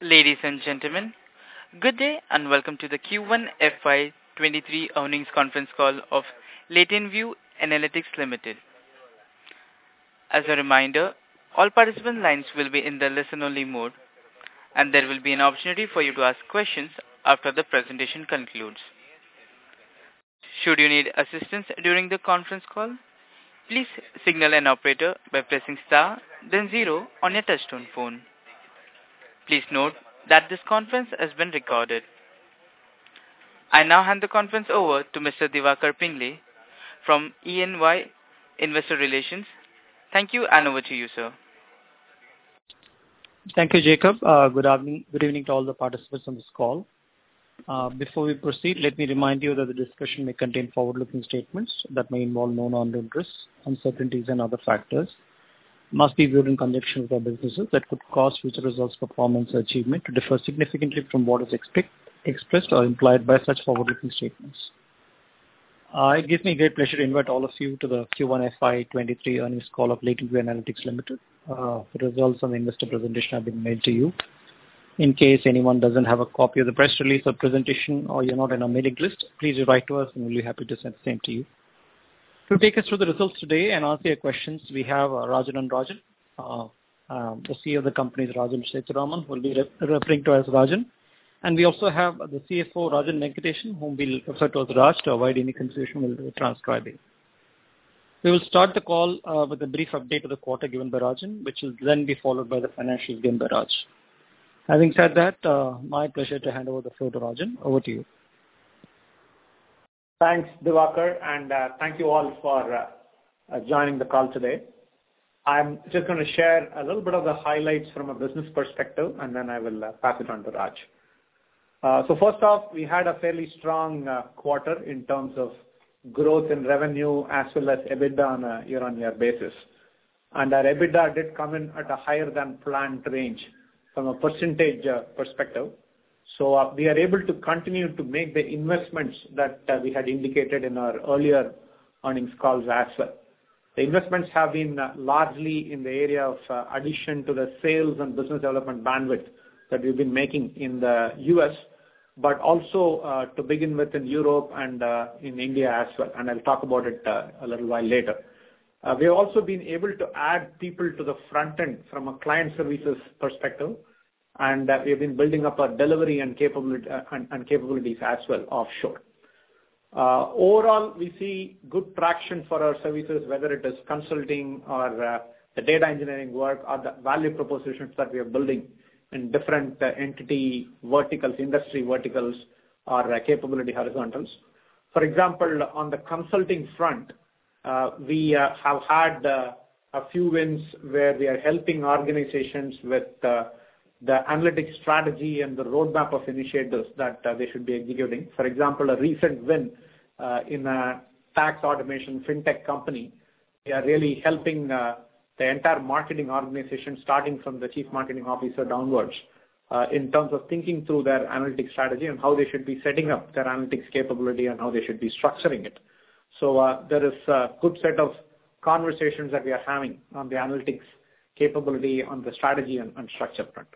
Ladies and gentlemen, good day and welcome to the Q1 FY2023 Earnings Conference Call of Latent View Analytics Limited. As a reminder, all participant lines will be in the listen-only mode, and there will be an opportunity for you to ask questions after the presentation concludes. Should you need assistance during the conference call, please signal an operator by pressing star then zero on your touchtone phone. Please note that this conference has been recorded. I now hand the conference over to Mr. Diwakar Pingle from EY Investor Relations. Thank you, and over to you, sir. Thank you, Jacob. Good evening to all the participants on this call. Before we proceed, let me remind you that the discussion may contain forward-looking statements that may involve known or unknown risks, uncertainties, and other factors, must be viewed in conjunction with our businesses that could cause future results, performance, or achievement to differ significantly from what is expressed or implied by such forward-looking statements. It gives me great pleasure to invite all of you to the Q1 FY 2023 Earnings Call of Latent View Analytics Limited. The results and the investor presentation have been mailed to you. In case anyone doesn't have a copy of the press release or presentation or you're not in our mailing list, please write to us, and we'll be happy to send the same to you. To take us through the results today and answer your questions, we have Rajan and Rajan. The CEO of the company is Rajan Sethuraman, who we'll be referring to as Rajan. We also have the CFO, Rajan Venkatesan, whom we'll refer to as Raj to avoid any confusion with the transcription. We will start the call with a brief update of the quarter given by Rajan, which will then be followed by the financials given by Raj. Having said that, my pleasure to hand over the floor to Rajan. Over to you. Thanks, Diwakar, and thank you all for joining the call today. I'm just gonna share a little bit of the highlights from a business perspective, and then I will pass it on to Raj. First off, we had a fairly strong quarter in terms of growth in revenue as well as EBITDA on a year-on-year basis. Our EBITDA did come in at a higher than planned range from a percentage perspective. We are able to continue to make the investments that we had indicated in our earlier earnings calls as well. The investments have been largely in the area of addition to the sales and business development bandwidth that we've been making in the U.S., but also to begin with in Europe and in India as well, and I'll talk about it a little while later. We've also been able to add people to the front end from a client services perspective, and we've been building up our delivery and capabilities as well offshore. Overall, we see good traction for our services, whether it is consulting or the data engineering work or the value propositions that we are building in different entity verticals, industry verticals or capability horizontals. For example, on the consulting front, we have had a few wins where we are helping organizations with the analytics strategy and the roadmap of initiatives that they should be executing. For example, a recent win in a tax automation fintech company, we are really helping the entire marketing organization starting from the chief marketing officer downwards in terms of thinking through their analytics strategy and how they should be setting up their analytics capability and how they should be structuring it. There is a good set of conversations that we are having on the analytics capability on the strategy and structure front.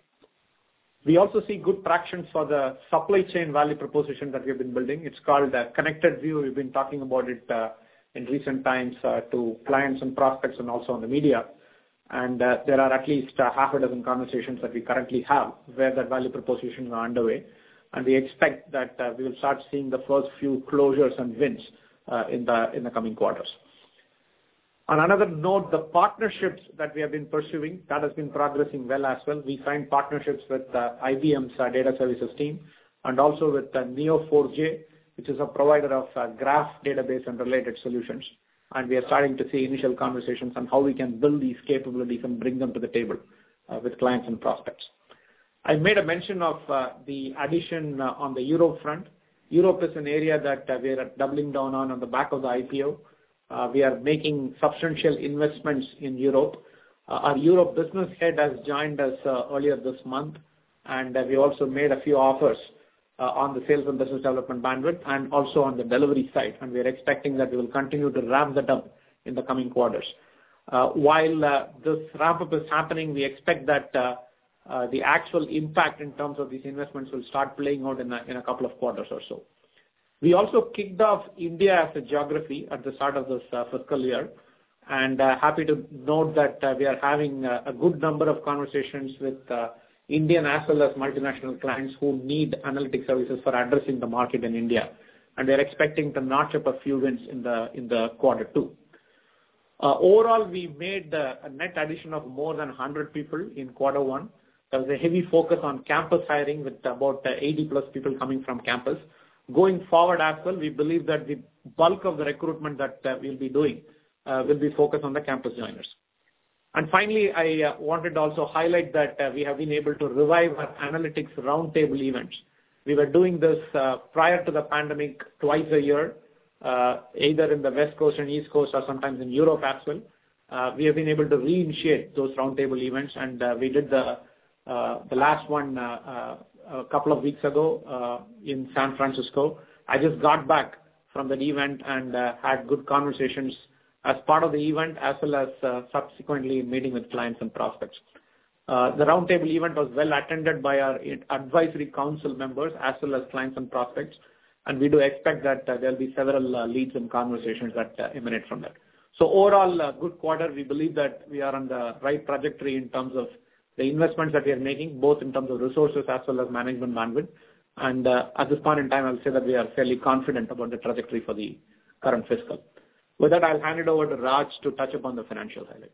We also see good traction for the supply chain value proposition that we have been building. It's called ConnectedView. We've been talking about it in recent times to clients and prospects and also in the media. There are at least half a dozen conversations that we currently have where that value propositions are underway. We expect that we will start seeing the first few closures and wins in the coming quarters. On another note, the partnerships that we have been pursuing that has been progressing well as well. We signed partnerships with IBM's data services team and also with Neo4j, which is a provider of graph database and related solutions. We are starting to see initial conversations on how we can build these capabilities and bring them to the table with clients and prospects. I made a mention of the addition on the Europe front. Europe is an area that we are doubling down on the back of the IPO. We are making substantial investments in Europe. Our Europe business head has joined us earlier this month, and we also made a few offers on the sales and business development bandwidth and also on the delivery side. We are expecting that we will continue to ramp that up in the coming quarters. While this ramp-up is happening, we expect that the actual impact in terms of these investments will start playing out in a couple of quarters or so. We also kicked off India as a geography at the start of this fiscal year, happy to note that we are having a good number of conversations with Indian as well as multinational clients who need analytics services for addressing the market in India. We are expecting to notch up a few wins in the quarter too. Overall, we made a net addition of more than 100 people in quarter one. There was a heavy focus on campus hiring with about 80+ people coming from campus. Going forward as well, we believe that the bulk of the recruitment that we'll be doing will be focused on the campus joiners. Finally, I wanted to also highlight that we have been able to revive our analytics roundtable events. We were doing this prior to the pandemic twice a year, either in the West Coast and East Coast or sometimes in Europe as well. We have been able to reinitiate those roundtable events, and we did the last one a couple of weeks ago in San Francisco. I just got back from that event and had good conversations as part of the event, as well as subsequently meeting with clients and prospects. The roundtable event was well attended by our advisory council members, as well as clients and prospects. We do expect that there'll be several leads and conversations that emanate from that. Overall, a good quarter. We believe that we are on the right trajectory in terms of the investments that we are making, both in terms of resources as well as management bandwidth. At this point in time, I'll say that we are fairly confident about the trajectory for the current fiscal. With that, I'll hand it over to Raj to touch upon the financial highlights.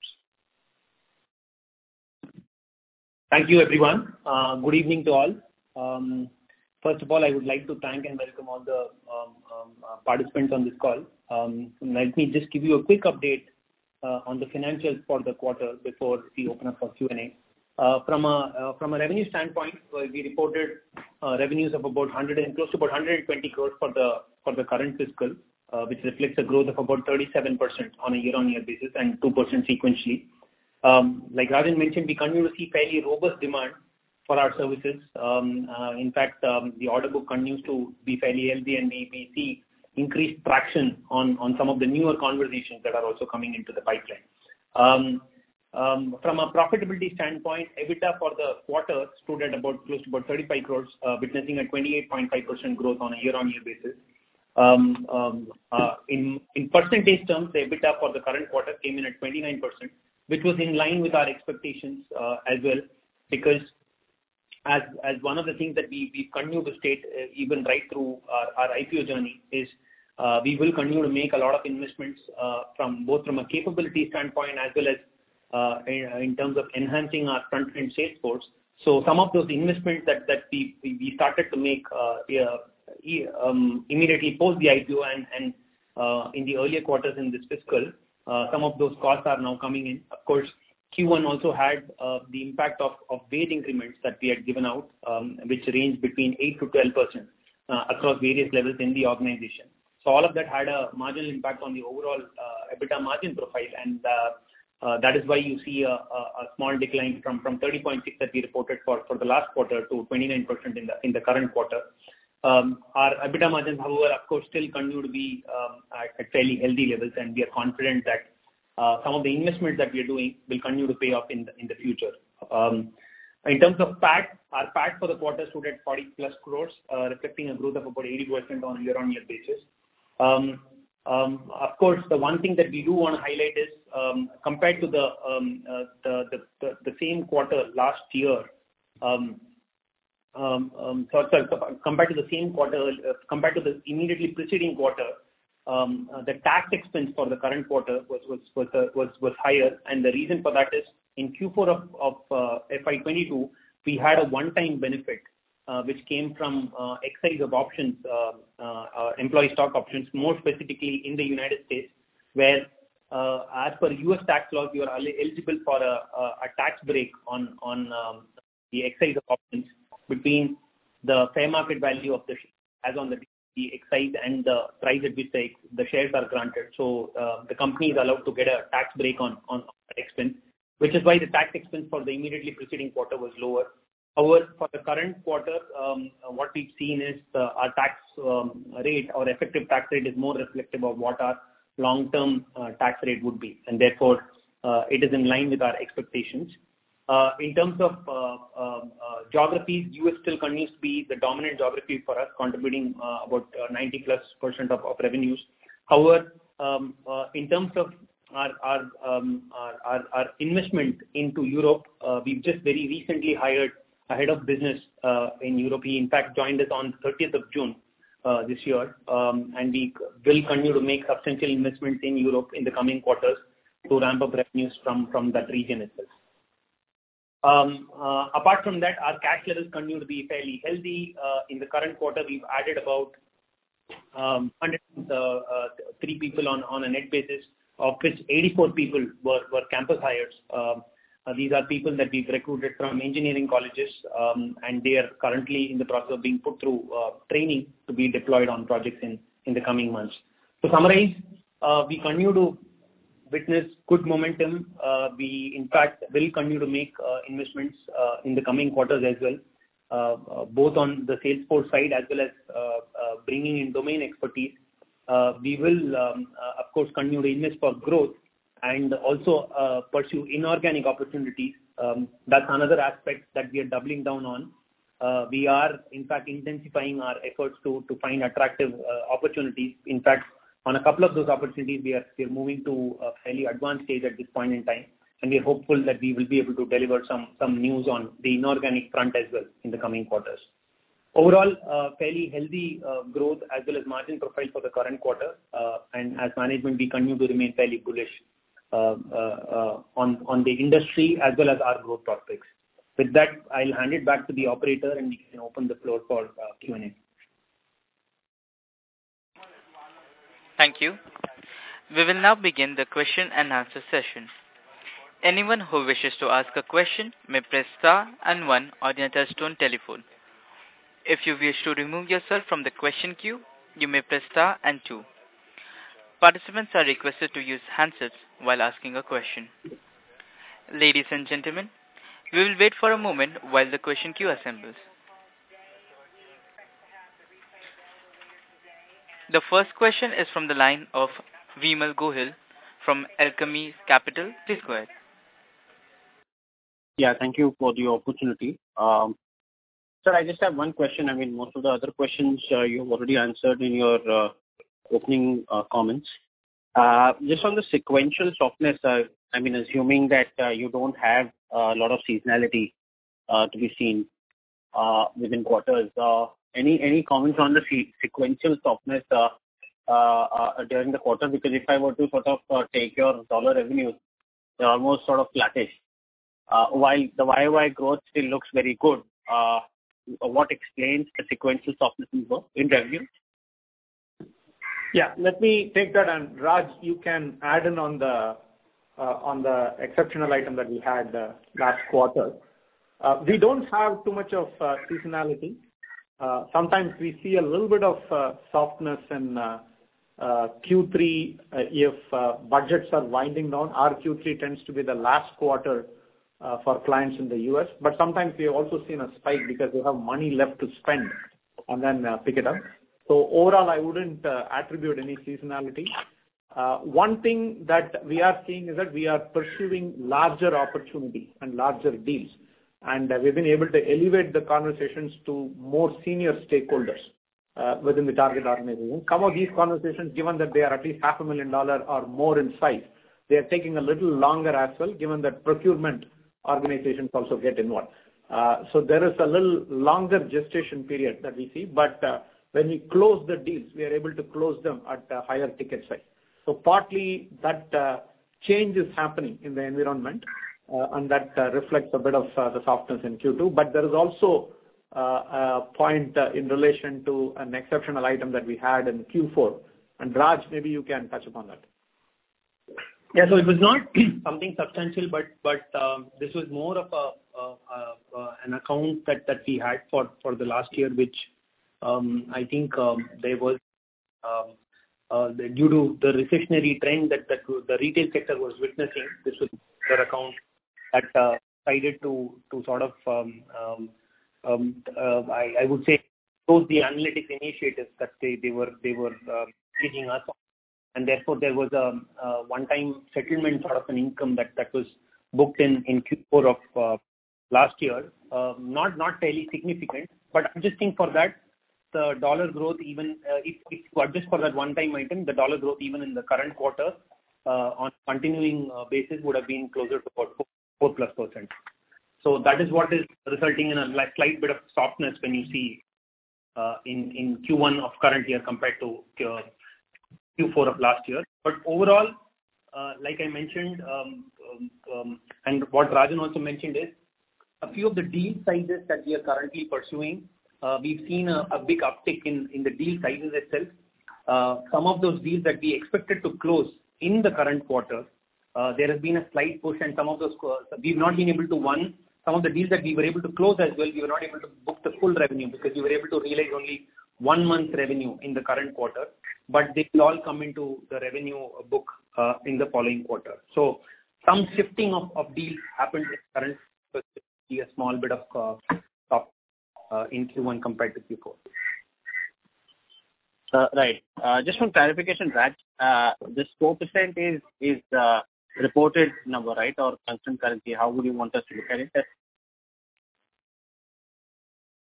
Thank you, everyone. Good evening to all. First of all, I would like to thank and welcome all the participants on this call. Let me just give you a quick update on the financials for the quarter before we open up for Q&A. From a revenue standpoint, we reported revenues of close to about 120 crore for the current fiscal, which reflects a growth of about 37% on a year-on-year basis and 2% sequentially. Like Rajan mentioned, we continue to see fairly robust demand for our services. In fact, the order book continues to be fairly healthy, and we see increased traction on some of the newer conversations that are also coming into the pipeline. From a profitability standpoint, EBITDA for the quarter stood at about 35 crores, witnessing a 28.5% growth on a year-on-year basis. In percentage terms, the EBITDA for the current quarter came in at 29%, which was in line with our expectations as well, because one of the things that we continue to state, even right through our IPO journey is, we will continue to make a lot of investments from both a capability standpoint as well as in terms of enhancing our front end sales force. Some of those investments that we started to make immediately post the IPO and in the earlier quarters in this fiscal, some of those costs are now coming in. Of course, Q1 also had the impact of wage increments that we had given out, which range between 8%-10% across various levels in the organization. All of that had a marginal impact on the overall EBITDA margin profile. That is why you see a small decline from 30.6% that we reported for the last quarter to 29% in the current quarter. Our EBITDA margins, however, of course still continue to be at fairly healthy levels, and we are confident that some of the investments that we are doing will continue to pay off in the future. In terms of PAT, our PAT for the quarter stood at 40+ crores, reflecting a growth of about 80% on a year-on-year basis. Of course, the one thing that we do wanna highlight is, compared to the immediately preceding quarter, the tax expense for the current quarter was higher. The reason for that is in Q4 of FY 2022, we had a one-time benefit which came from exercise of options, employee stock options, more specifically in the United States, where as per U.S. tax law, you are eligible for a tax break on the exercise options between the fair market value of the shares as on the exercise and the price at which the shares are granted. The company is allowed to get a tax break on expense, which is why the tax expense for the immediately preceding quarter was lower. However, for the current quarter, what we've seen is, our tax rate, our effective tax rate is more reflective of what our long-term tax rate would be, and therefore, it is in line with our expectations. In terms of geographies, U.S. still continues to be the dominant geography for us, contributing about 90%+ of revenues. However, in terms of our investment into Europe, we've just very recently hired a head of business in Europe. He, in fact, joined us on 30th of June this year. We will continue to make substantial investments in Europe in the coming quarters to ramp up revenues from that region itself. Apart from that, our cash flows continue to be fairly healthy. In the current quarter, we've added about 103 people on a net basis, of which 84 people were campus hires. These are people that we've recruited from engineering colleges, and they are currently in the process of being put through training to be deployed on projects in the coming months. To summarize, we continue to witness good momentum. We in fact will continue to make investments in the coming quarters as well, both on the sales force side as well as bringing in domain expertise. We will, of course, continue to invest for growth and also pursue inorganic opportunities. That's another aspect that we are doubling down on. We are in fact intensifying our efforts to find attractive opportunities. In fact, on a couple of those opportunities, we are moving to a fairly advanced stage at this point in time, and we are hopeful that we will be able to deliver some news on the inorganic front as well in the coming quarters. Overall, a fairly healthy growth as well as margin profile for the current quarter. As management, we continue to remain fairly bullish on the industry as well as our growth prospects. With that, I'll hand it back to the operator, and we can open the floor for Q&A. Thank you. We will now begin the question-and-answer session. Anyone who wishes to ask a question may press star and one on your touchtone telephone. If you wish to remove yourself from the question queue, you may press star and two. Participants are requested to use handsets while asking a question. Ladies and gentlemen, we will wait for a moment while the question queue assembles. The first question is from the line of Vimal Gohil from Alchemy Capital Management. Yeah, thank you for the opportunity. Sir, I just have one question. I mean, most of the other questions, you've already answered in your opening comments. Just on the sequential softness, I mean, assuming that you don't have a lot of seasonality to be seen within quarters. Any comments on the sequential softness during the quarter? Because if I were to sort of take your dollar revenue, they're almost sort of flattish, while the year-over-year growth still looks very good. What explains the sequential softness in revenue? Yeah. Let me take that. Raj, you can add in on the exceptional item that we had last quarter. We don't have too much of seasonality. Sometimes we see a little bit of softness in Q3 if budgets are winding down. Our Q3 tends to be the last quarter for clients in the U.S. Sometimes we have also seen a spike because they have money left to spend and then pick it up. Overall, I wouldn't attribute any seasonality. One thing that we are seeing is that we are pursuing larger opportunities and larger deals, and we've been able to elevate the conversations to more senior stakeholders within the target organization. Some of these conversations, given that they are at least $ half a million or more in size, they are taking a little longer as well, given that procurement organizations also get involved. There is a little longer gestation period that we see. When we close the deals, we are able to close them at a higher ticket size. Partly that change is happening in the environment, and that reflects a bit of the softness in Q2. There is also a point in relation to an exceptional item that we had in Q4. Raj, maybe you can touch upon that. Yeah. It was not something substantial, but this was more of an account that we had for the last year, which I think there was due to the recessionary trend that the retail sector was witnessing. This was their account that decided to sort of I would say close the analytics initiatives that they were giving us. Therefore, there was a one-time settlement sort of an income that was booked in Q4 of last year. Not fairly significant. Adjusting for that, the dollar growth even if you adjust for that one-time item, the dollar growth even in the current quarter on continuing basis would have been closer to about 4.4%+. That is what is resulting in a slight bit of softness when you see in Q1 of current year compared to Q4 of last year. Overall, like I mentioned, and what Rajan also mentioned is a few of the deal sizes that we are currently pursuing, we've seen a big uptick in the deal sizes itself. Some of those deals that we expected to close in the current quarter, there has been a slight push and some of those, we've not been able to win. Some of the deals that we were able to close as well, we were not able to book the full revenue because we were able to realize only one month revenue in the current quarter. This will all come into the revenue book in the following quarter. Some shifting of deals happened, a small bit of softness in Q1 compared to Q4. Right. Just one clarification, Raj. This 4% is reported number, right? Or constant currency, how would you want us to look at it?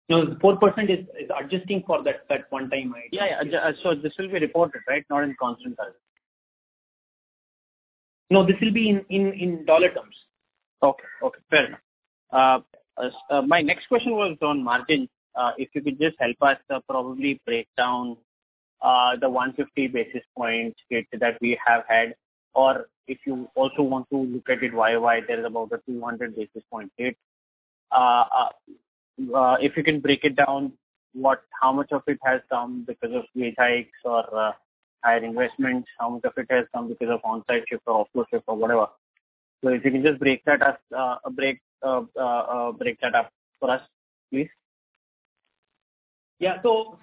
No, the 4% is adjusting for that one time item. Yeah, yeah. This will be reported right, not in constant currency. No, this will be in dollar terms. Okay. Okay. Fair enough. My next question was on margin. If you could just help us probably break down the 150 basis points hit that we have had, or if you also want to look at it YOY, there's about a 200 basis point hit. If you can break it down, what how much of it has come because of wage hikes or higher investments? How much of it has come because of on-site shift or offsite shift or whatever? If you can just break that up for us, please. I'll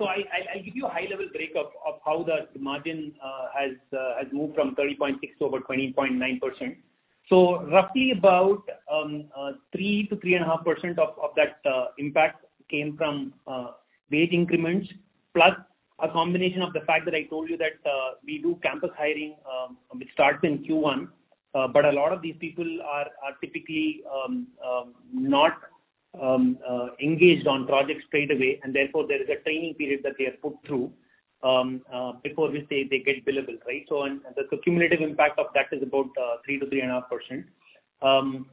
give you a high-level breakup of how the margin has moved from 30.6% to 20.9%. Roughly about 3%-3.5% of that impact came from wage increments, plus a combination of the fact that I told you that we do campus hiring, which starts in Q1. But a lot of these people are typically not engaged on projects straight away, and therefore there is a training period that they are put through before which they get billable, right? And the cumulative impact of that is about 3%-3.5%.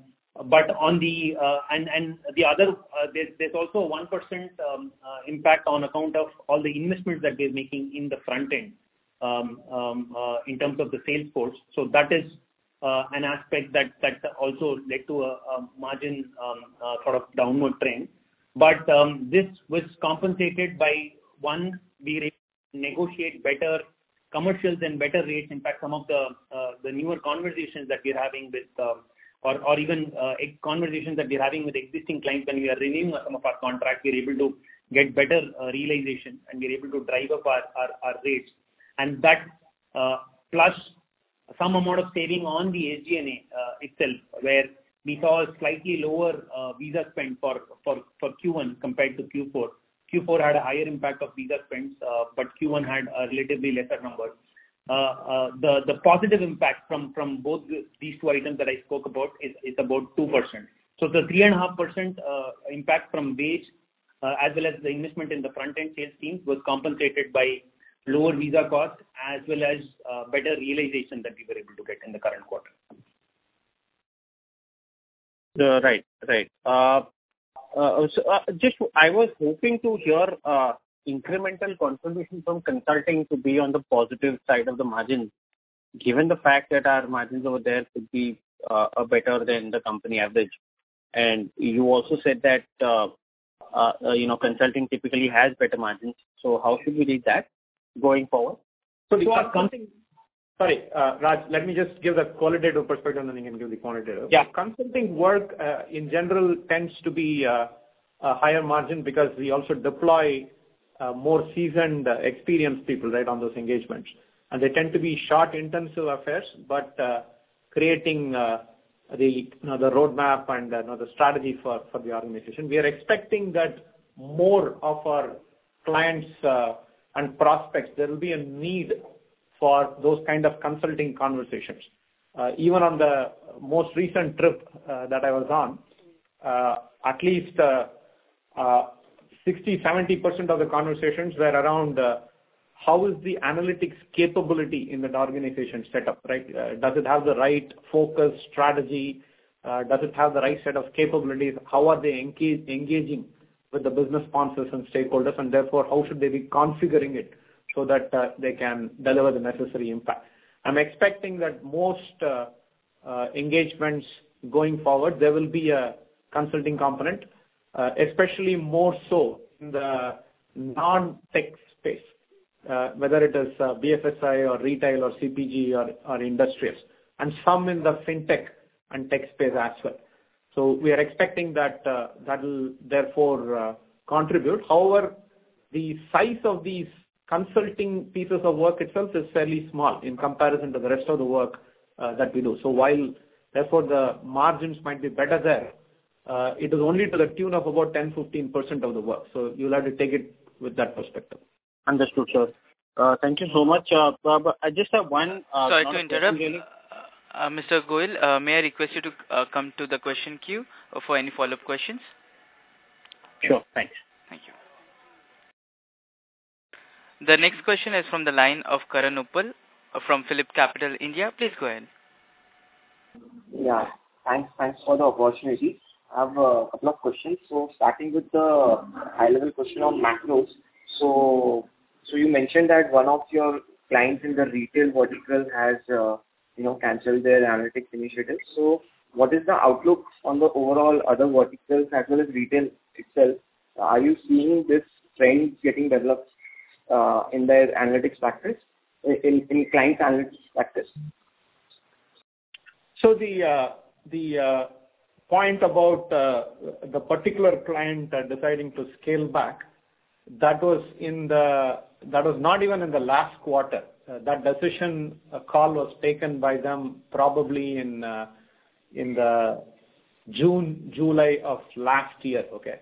But on the, The other, there's also a 1% impact on account of all the investments that we are making in the front end in terms of the sales force. That is an aspect that also led to a margin sort of downward trend. This was compensated by one, we negotiate better commercials and better rates. In fact, some of the newer conversations that we're having with or even a conversation that we're having with existing clients when we are renewing some of our contracts, we're able to get better realization, and we're able to drive up our rates. That plus some amount of saving on the SG&A itself, where we saw a slightly lower visa spend for Q1 compared to Q4. Q4 had a higher impact of visa spends, but Q1 had a relatively lesser number. The positive impact from both these two items that I spoke about is about 2%. The 3.5% impact from base as well as the investment in the front-end sales team was compensated by lower visa costs as well as better realization that we were able to get in the current quarter. I was hoping to hear incremental contribution from consulting to be on the positive side of the margin, given the fact that our margins over there could be better than the company average. You also said that you know, consulting typically has better margins. How should we read that going forward? So the consulting- Sorry, Raj, let me just give the qualitative perspective, and then you can give the quantitative. Yeah. Consulting work, in general tends to be, a higher margin because we also deploy, more seasoned, experienced people, right, on those engagements. They tend to be short intensive affairs, but creating, you know, the roadmap and, you know, the strategy for the organization. We are expecting that more of our clients, and prospects, there will be a need for those kind of consulting conversations. Even on the most recent trip, that I was on, at least 60%-70% of the conversations were around, how is the analytics capability in that organization set up, right? Does it have the right focus, strategy? Does it have the right set of capabilities? How are they engaging with the business sponsors and stakeholders? Therefore, how should they be configuring it so that they can deliver the necessary impact? I'm expecting that most engagements going forward, there will be a consulting component, especially more so in the non-tech space, whether it is BFSI or retail or CPG or industrials, and some in the fintech and tech space as well. We are expecting that that'll therefore contribute. However, the size of these consulting pieces of work itself is fairly small in comparison to the rest of the work that we do. While, therefore, the margins might be better there, it is only to the tune of about 10%-15% of the work. You'll have to take it with that perspective. Understood, sir. Thank you so much. I just have one last question, really? Sorry to interrupt. Mr. Gohil, may I request you to come to the question queue for any follow-up questions? Sure. Thanks. Thank you. The next question is from the line of Karan Uppal from PhillipCapital India. Please go ahead. Yeah. Thanks. Thanks for the opportunity. I have a couple of questions. Starting with the high-level question on macros. You mentioned that one of your clients in the retail vertical has, you know, canceled their analytics initiative. What is the outlook on the overall other verticals as well as retail itself? Are you seeing this trend getting developed in their analytics practice, in client analytics practice? The point about the particular client deciding to scale back, that was not even in the last quarter. That decision call was taken by them probably in June, July of last year. Okay?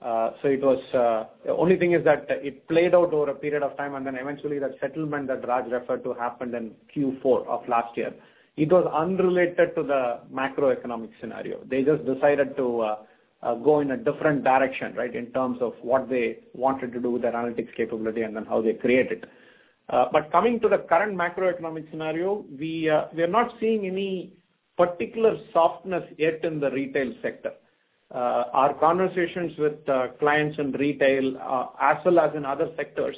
The only thing is that it played out over a period of time, and then eventually that settlement that Raj referred to happened in Q4 of last year. It was unrelated to the macroeconomic scenario. They just decided to go in a different direction, right, in terms of what they wanted to do with their analytics capability and then how they create it. Coming to the current macroeconomic scenario, we're not seeing any particular softness yet in the retail sector. Our conversations with clients in retail, as well as in other sectors,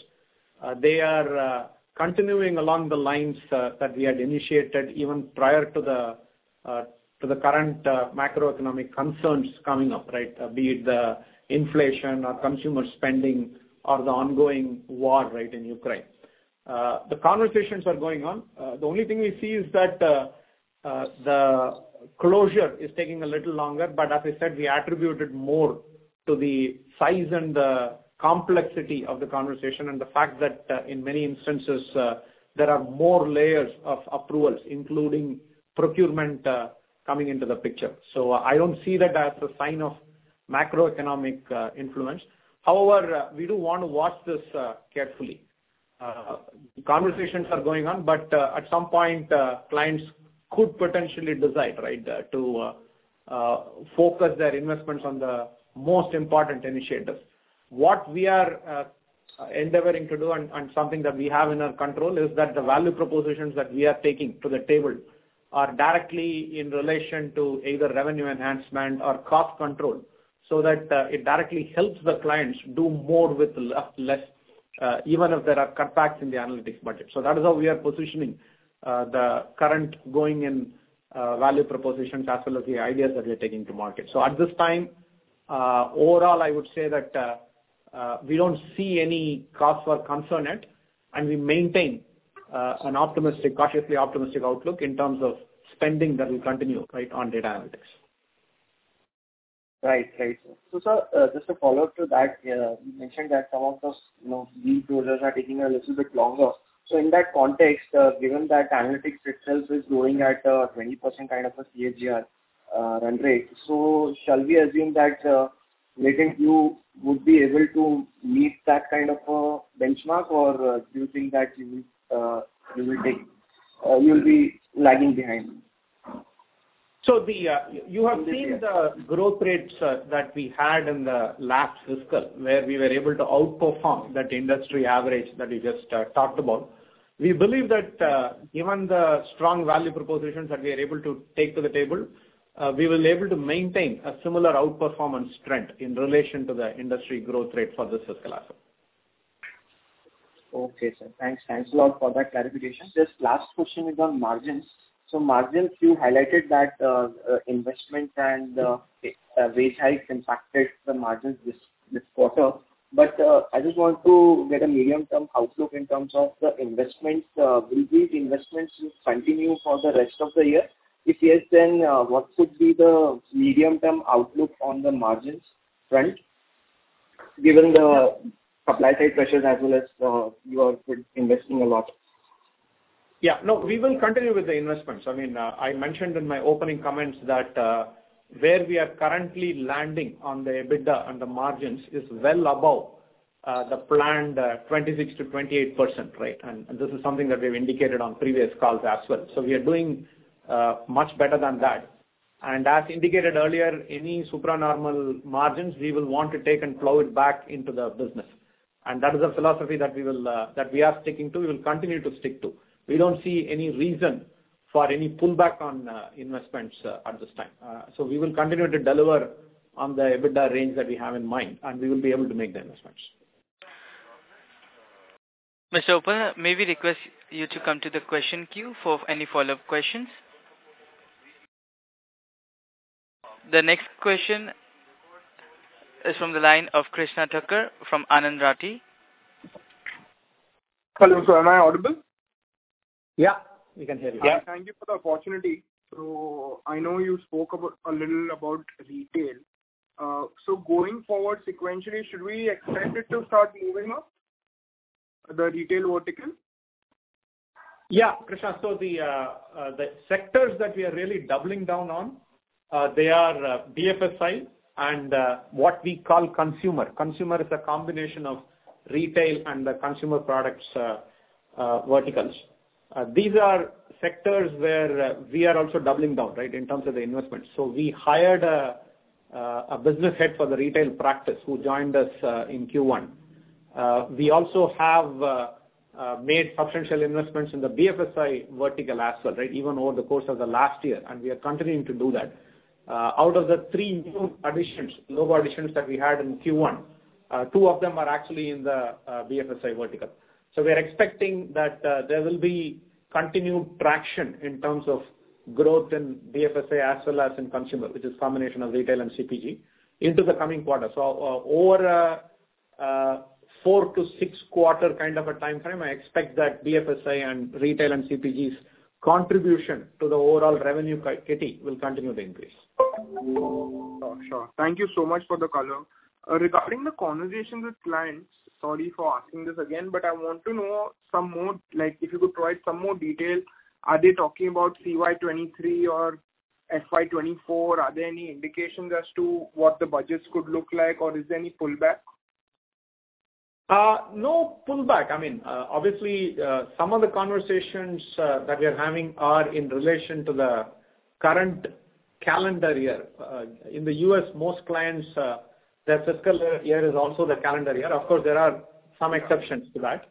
they are continuing along the lines that we had initiated even prior to the current macroeconomic concerns coming up, right? Be it the inflation or consumer spending or the ongoing war, right, in Ukraine. The conversations are going on. The only thing we see is that the closure is taking a little longer. As I said, we attribute it more to the size and the complexity of the conversation and the fact that in many instances there are more layers of approvals, including procurement coming into the picture. I don't see that as a sign of macroeconomic influence. However, we do want to watch this carefully. Conversations are going on, but at some point, clients could potentially decide, right, to focus their investments on the most important initiatives. What we are endeavoring to do and something that we have in our control is that the value propositions that we are taking to the table are directly in relation to either revenue enhancement or cost control, so that it directly helps the clients do more with less, even if there are cutbacks in the analytics budget. That is how we are positioning the current going in value propositions as well as the ideas that we are taking to market. At this time, overall, I would say that we don't see any cause for concern yet, and we maintain a cautiously optimistic outlook in terms of spending that will continue, right, on data analytics. Right. Sir, just a follow-up to that. You mentioned that some of those, you know, deals are taking a little bit longer. In that context, given that analytics itself is growing at 20% kind of a CAGR run rate. Shall we assume that Latent View would be able to meet that kind of a benchmark, or do you think that you will be lagging behind? You have seen the growth rates that we had in the last fiscal, where we were able to outperform that industry average that you just talked about. We believe that, given the strong value propositions that we are able to take to the table, we will able to maintain a similar outperformance trend in relation to the industry growth rate for this fiscal also. Okay, sir. Thanks. Thanks a lot for that clarification. Just last question is on margins. Margins, you highlighted that, investment and wage hikes impacted the margins this quarter. I just want to get a medium-term outlook in terms of the investments. Will these investments continue for the rest of the year? If yes, then, what should be the medium-term outlook on the margins front, given the supply side pressures as well as, you are investing a lot? Yeah. No, we will continue with the investments. I mean, I mentioned in my opening comments that, where we are currently landing on the EBITDA and the margins is well above, the planned 26%-28%, right? This is something that we've indicated on previous calls as well. We are doing, much better than that. As indicated earlier, any supernormal margins we will want to take and plow it back into the business. That is a philosophy that we will, that we are sticking to, we will continue to stick to. We don't see any reason for any pullback on investments at this time. We will continue to deliver on the EBITDA range that we have in mind, and we will be able to make the investments. Mr. Uppal, may we request you to come to the question queue for any follow-up questions. The next question is from the line of Krishna Thakker from Anand Rathi. Hello, sir. Am I audible? Yeah, we can hear you. Yeah. Thank you for the opportunity. I know you spoke a little about retail. Going forward sequentially, should we expect it to start moving up, the retail vertical? Yeah, Krishna. The sectors that we are really doubling down on, they are BFSI and what we call consumer. Consumer is a combination of retail and the consumer products verticals. These are sectors where we are also doubling down, right, in terms of the investment. We hired a business head for the retail practice who joined us in Q1. We also have made substantial investments in the BFSI vertical as well, right, even over the course of the last year, and we are continuing to do that. Out of the three new additions, logo additions that we had in Q1, two of them are actually in the BFSI vertical. We are expecting that there will be continued traction in terms of growth in BFSI as well as in consumer, which is combination of retail and CPG, into the coming quarter. Over 4-6 quarter kind of a time frame, I expect that BFSI and retail and CPG's contribution to the overall revenue key will continue to increase. Sure. Thank you so much for the color. Regarding the conversations with clients, sorry for asking this again, but I want to know some more, like if you could provide some more detail. Are they talking about CY 2023 or FY 2024? Are there any indications as to what the budgets could look like or is there any pullback? No pullback. I mean, obviously, some of the conversations that we are having are in relation to the current calendar year. In the U.S. most clients, their fiscal year is also the calendar year. Of course, there are some exceptions to that.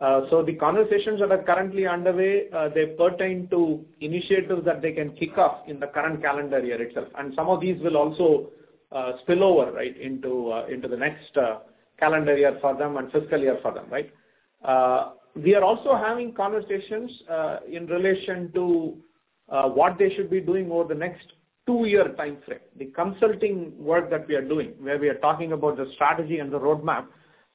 The conversations that are currently underway, they pertain to initiatives that they can kick off in the current calendar year itself. Some of these will also spill over, right, into the next calendar year for them and fiscal year for them, right? We are also having conversations in relation to what they should be doing over the next two-year time frame. The consulting work that we are doing, where we are talking about the strategy and the roadmap,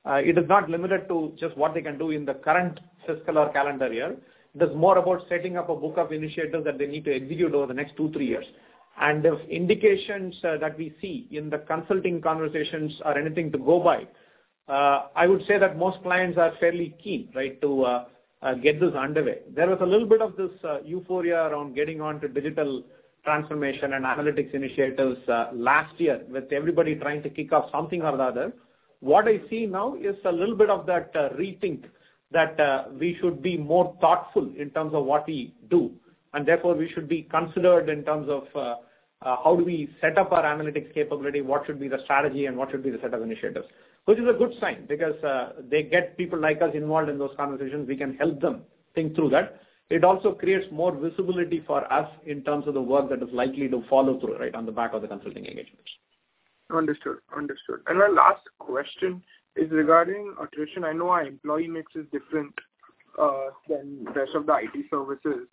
it is not limited to just what they can do in the current fiscal or calendar year. It is more about setting up a book of initiatives that they need to execute over the next two, three years. If indications that we see in the consulting conversations are anything to go by, I would say that most clients are fairly keen, right, to get this underway. There was a little bit of this euphoria around getting on to digital transformation and analytics initiatives last year with everybody trying to kick off something or the other. What I see now is a little bit of that rethink that we should be more thoughtful in terms of what we do, and therefore we should be considered in terms of how do we set up our analytics capability, what should be the strategy and what should be the set of initiatives. Which is a good sign because they get people like us involved in those conversations. We can help them think through that. It also creates more visibility for us in terms of the work that is likely to follow through, right, on the back of the consulting engagements. Understood. My last question is regarding attrition. I know our employee mix is different. than rest of the IT services.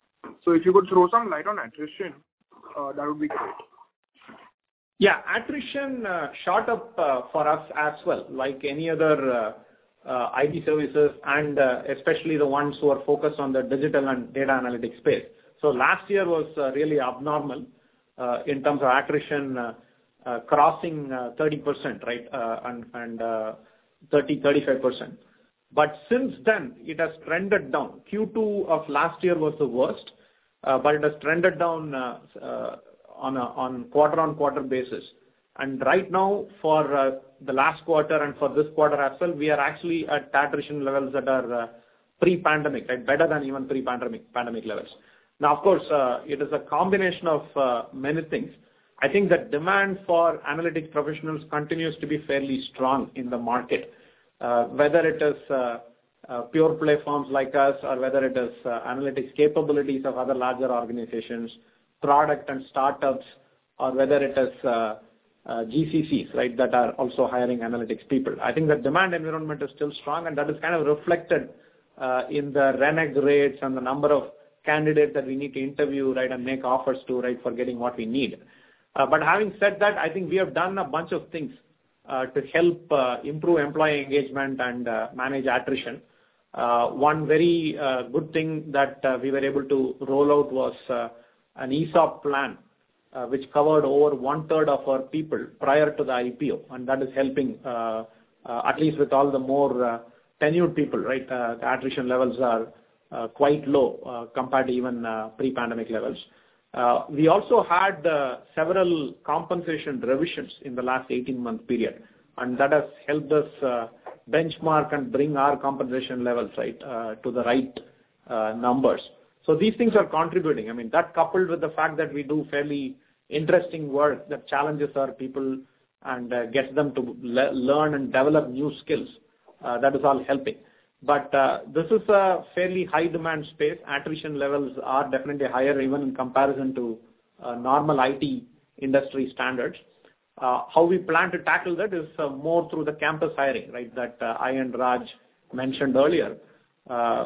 If you could throw some light on attrition, that would be great. Yeah. Attrition shot up for us as well, like any other IT services and especially the ones who are focused on the digital and data analytics space. Last year was really abnormal in terms of attrition crossing 30%, right? And 35%. Since then, it has trended down. Q2 of last year was the worst, but it has trended down on quarter-on-quarter basis. Right now for the last quarter and for this quarter as well, we are actually at attrition levels that are pre-pandemic, like better than even pre-pandemic pandemic levels. Now, of course, it is a combination of many things. I think the demand for analytics professionals continues to be fairly strong in the market, whether it is pure play firms like us or whether it is analytics capabilities of other larger organizations, products and startups, or whether it is GCCs, right, that are also hiring analytics people. I think the demand environment is still strong, and that is kind of reflected in the realization rates and the number of candidates that we need to interview, right, and make offers to, right, for getting what we need. Having said that, I think we have done a bunch of things to help improve employee engagement and manage attrition. One very good thing that we were able to roll out was an ESOP plan, which covered over one-third of our people prior to the IPO. That is helping at least with all the more tenured people, right? The attrition levels are quite low compared to even pre-pandemic levels. We also had several compensation revisions in the last 18-month period, and that has helped us benchmark and bring our compensation levels right to the right numbers. These things are contributing. I mean, that coupled with the fact that we do fairly interesting work that challenges our people and gets them to learn and develop new skills, that is all helping. This is a fairly high demand space. Attrition levels are definitely higher even in comparison to normal IT industry standards. How we plan to tackle that is more through the campus hiring right that I and Raj mentioned earlier.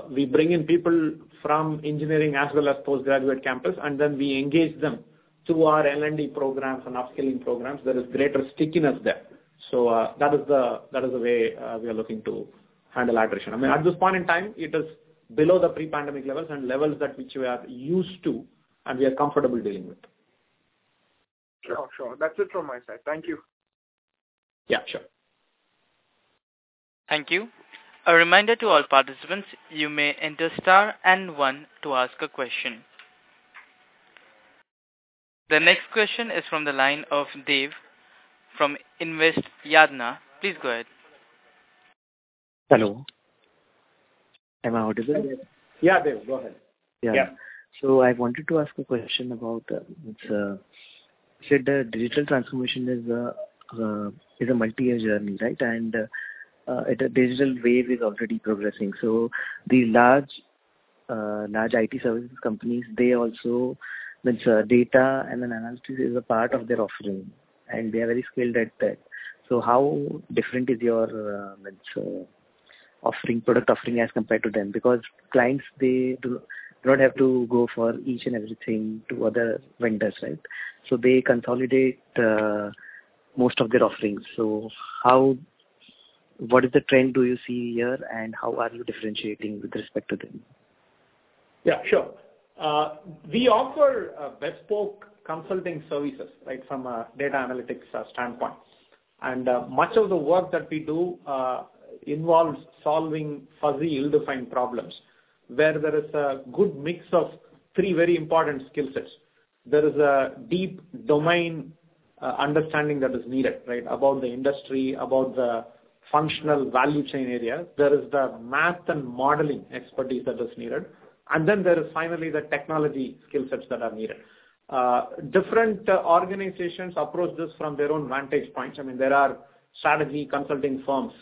We bring in people from engineering as well as postgraduate campus, and then we engage them through our L&D programs and upskilling programs. There is greater stickiness there. That is the way we are looking to handle attrition. I mean, at this point in time, it is below the pre-pandemic levels and levels that which we are used to and we are comfortable dealing with. Sure. That's it from my side. Thank you. Yeah, sure. Thank you. A reminder to all participants, you may enter star and one to ask a question. The next question is from the line of Dev from Invest Yadnya. Please go ahead. Hello. Am I audible? Yeah, Dev, go ahead. Yeah. Yeah. I wanted to ask a question about. You said the digital transformation is a multi-year journey, right? The digital wave is already progressing. These large IT services companies, they also I mean data and then analytics is a part of their offering, and they are very skilled at that. How different is your product offering as compared to them? Because clients, they do not have to go for each and every thing to other vendors, right? They consolidate most of their offerings. What is the trend do you see here, and how are you differentiating with respect to them? Yeah, sure. We offer bespoke consulting services, right? From a data analytics standpoint. Much of the work that we do involves solving fuzzy, ill-defined problems where there is a good mix of three very important skill sets. There is a deep domain understanding that is needed, right? About the industry, about the functional value chain area. There is the math and modeling expertise that is needed. Then there is finally the technology skill sets that are needed. Different organizations approach this from their own vantage points. I mean, there are strategy consulting firms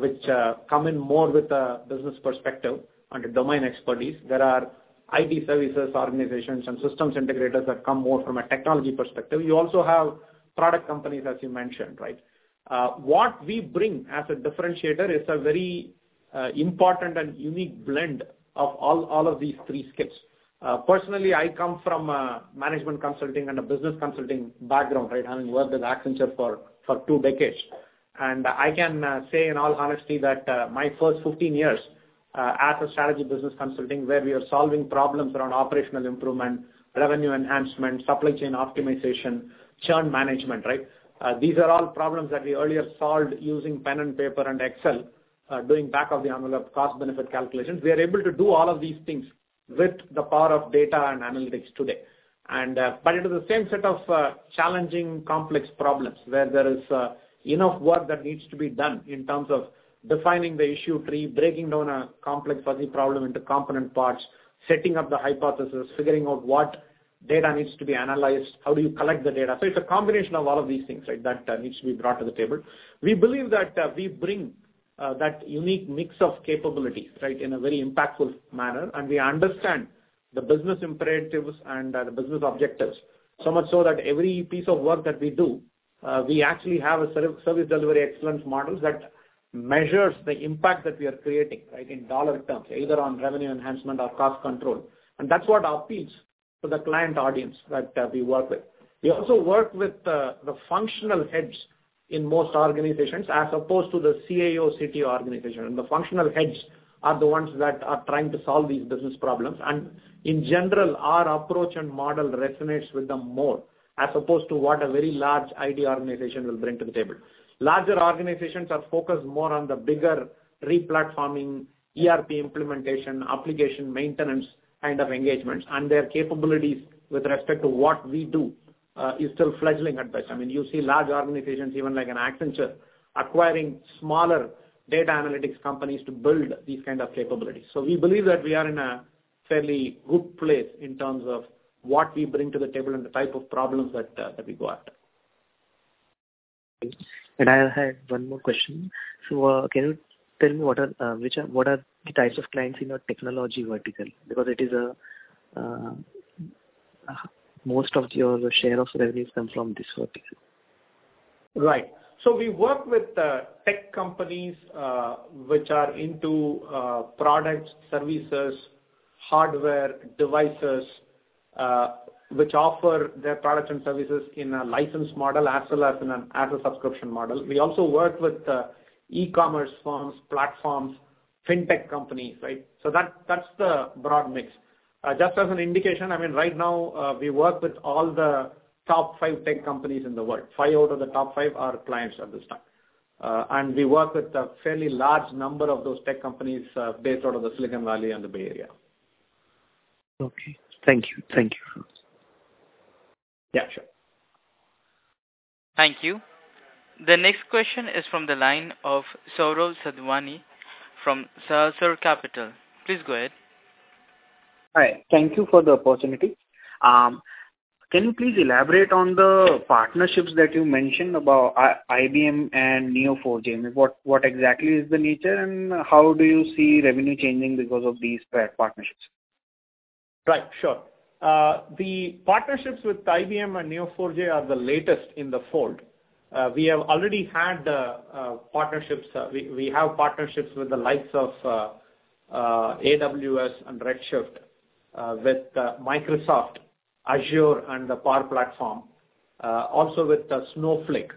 which come in more with a business perspective and domain expertise. There are IT services organizations and systems integrators that come more from a technology perspective. You also have product companies, as you mentioned, right? What we bring as a differentiator is a very important and unique blend of all of these three skills. Personally, I come from management consulting and a business consulting background, right, having worked with Accenture for two decades. I can say in all honesty that my first 15-years as a strategy business consulting, where we are solving problems around operational improvement, revenue enhancement, supply chain optimization, churn management, right? These are all problems that we earlier solved using pen and paper and Excel, doing back-of-the-envelope cost benefit calculations. We are able to do all of these things with the power of data and analytics today. It is the same set of challenging, complex problems where there is enough work that needs to be done in terms of defining the issue tree, breaking down a complex, fuzzy problem into component parts, setting up the hypothesis, figuring out what data needs to be analyzed, how do you collect the data. It's a combination of all of these things, right, that needs to be brought to the table. We believe that we bring that unique mix of capabilities, right, in a very impactful manner, and we understand the business imperatives and the business objectives, so much so that every piece of work that we do, we actually have a service delivery excellence models that measures the impact that we are creating, right, in dollar terms, either on revenue enhancement or cost control. That's what appeals to the client audience that we work with. We also work with the functional heads in most organizations as opposed to the CIO, CTO organization. The functional heads are the ones that are trying to solve these business problems. In general, our approach and model resonates with them more as opposed to what a very large IT organization will bring to the table. Larger organizations are focused more on the bigger re-platforming, ERP implementation, application maintenance kind of engagements, and their capabilities with respect to what we do is still fledgling at best. I mean, you see large organizations, even like an Accenture, acquiring smaller data analytics companies to build these kind of capabilities. We believe that we are in a fairly good place in terms of what we bring to the table and the type of problems that we go after. I have one more question. Can you tell me what are the types of clients in your technology vertical? Because it is, most of your share of revenues come from this vertical. Right. We work with tech companies, which are into products, services, hardware, devices, which offer their products and services in a license model as well as in an as-a-subscription model. We also work with e-commerce firms, platforms, fintech companies, right? That's the broad mix. Just as an indication, I mean, right now, we work with all the top five tech companies in the world. Five out of the top five are clients at this time. We work with a fairly large number of those tech companies based out of the Silicon Valley and the Bay Area. Okay. Thank you. Thank you. Yeah, sure. Thank you. The next question is from the line of Saurabh Sadhwani from Sahasrar Capital. Please go ahead. Hi. Thank you for the opportunity. Can you please elaborate on the partnerships that you mentioned about IBM and Neo4j? What exactly is the nature, and how do you see revenue changing because of these partnerships? Right. Sure. The partnerships with IBM and Neo4j are the latest in the fold. We have partnerships with the likes of AWS and Redshift, with Microsoft Azure and the Power Platform, also with Snowflake.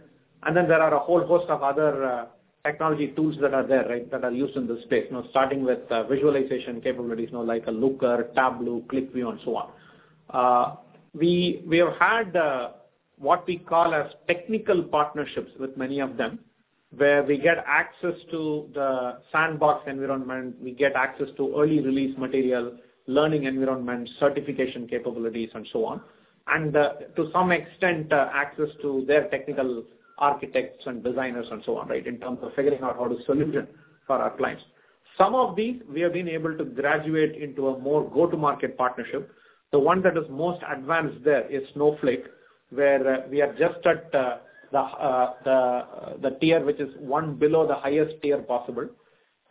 There are a whole host of other technology tools that are there, right, that are used in this space. You know, starting with visualization capabilities, you know, like a Looker, Tableau, QlikView and so on. We have had what we call as technical partnerships with many of them, where we get access to the sandbox environment, we get access to early release material, learning environment, certification capabilities and so on. To some extent, access to their technical architects and designers and so on, right, in terms of figuring out how to solution for our clients. Some of these we have been able to graduate into a more go-to-market partnership. The one that is most advanced there is Snowflake, where we are just at the tier, which is one below the highest tier possible.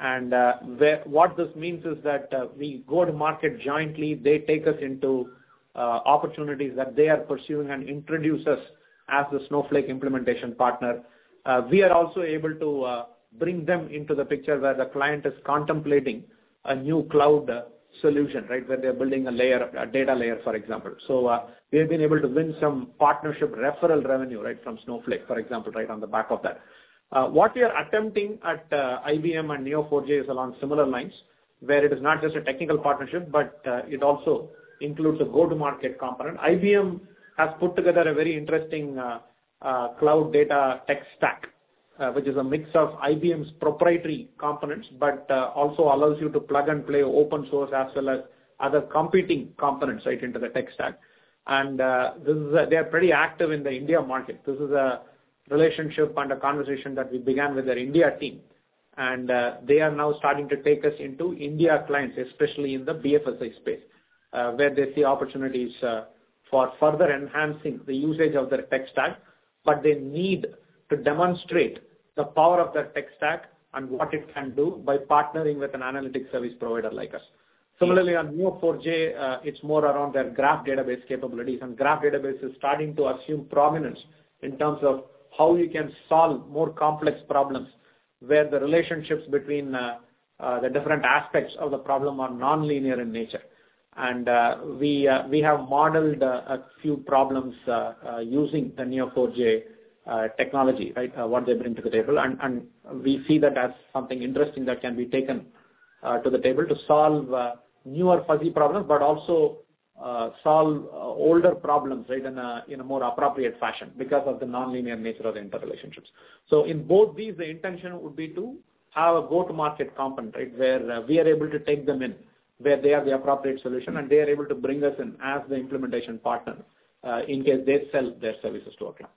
What this means is that we go to market jointly. They take us into opportunities that they are pursuing and introduce us as the Snowflake implementation partner. We are also able to bring them into the picture where the client is contemplating a new cloud solution, right? Where they're building a layer, a data layer, for example. We have been able to win some partnership referral revenue, right, from Snowflake, for example, right, on the back of that. What we are attempting at IBM and Neo4j is along similar lines, where it is not just a technical partnership, but it also includes a go-to-market component. IBM has put together a very interesting cloud data tech stack, which is a mix of IBM's proprietary components, but also allows you to plug and play open source as well as other competing components, right, into the tech stack. They are pretty active in the India market. This is a relationship and a conversation that we began with their India team, and they are now starting to take us into Indian clients, especially in the BFSI space, where they see opportunities for further enhancing the usage of their tech stack, but they need to demonstrate the power of that tech stack and what it can do by partnering with an analytics service provider like us. Similarly, on Neo4j, it's more around their graph database capabilities. Graph database is starting to assume prominence in terms of how we can solve more complex problems, where the relationships between the different aspects of the problem are non-linear in nature. We have modeled a few problems using the Neo4j technology, right, what they bring to the table. We see that as something interesting that can be taken to the table to solve newer fuzzy problems, but also solve older problems, right, in a more appropriate fashion because of the non-linear nature of the interrelationships. In both these, the intention would be to have a go-to-market component, right, where we are able to take them in, where they have the appropriate solution, and they are able to bring us in as the implementation partner in case they sell their services to a client.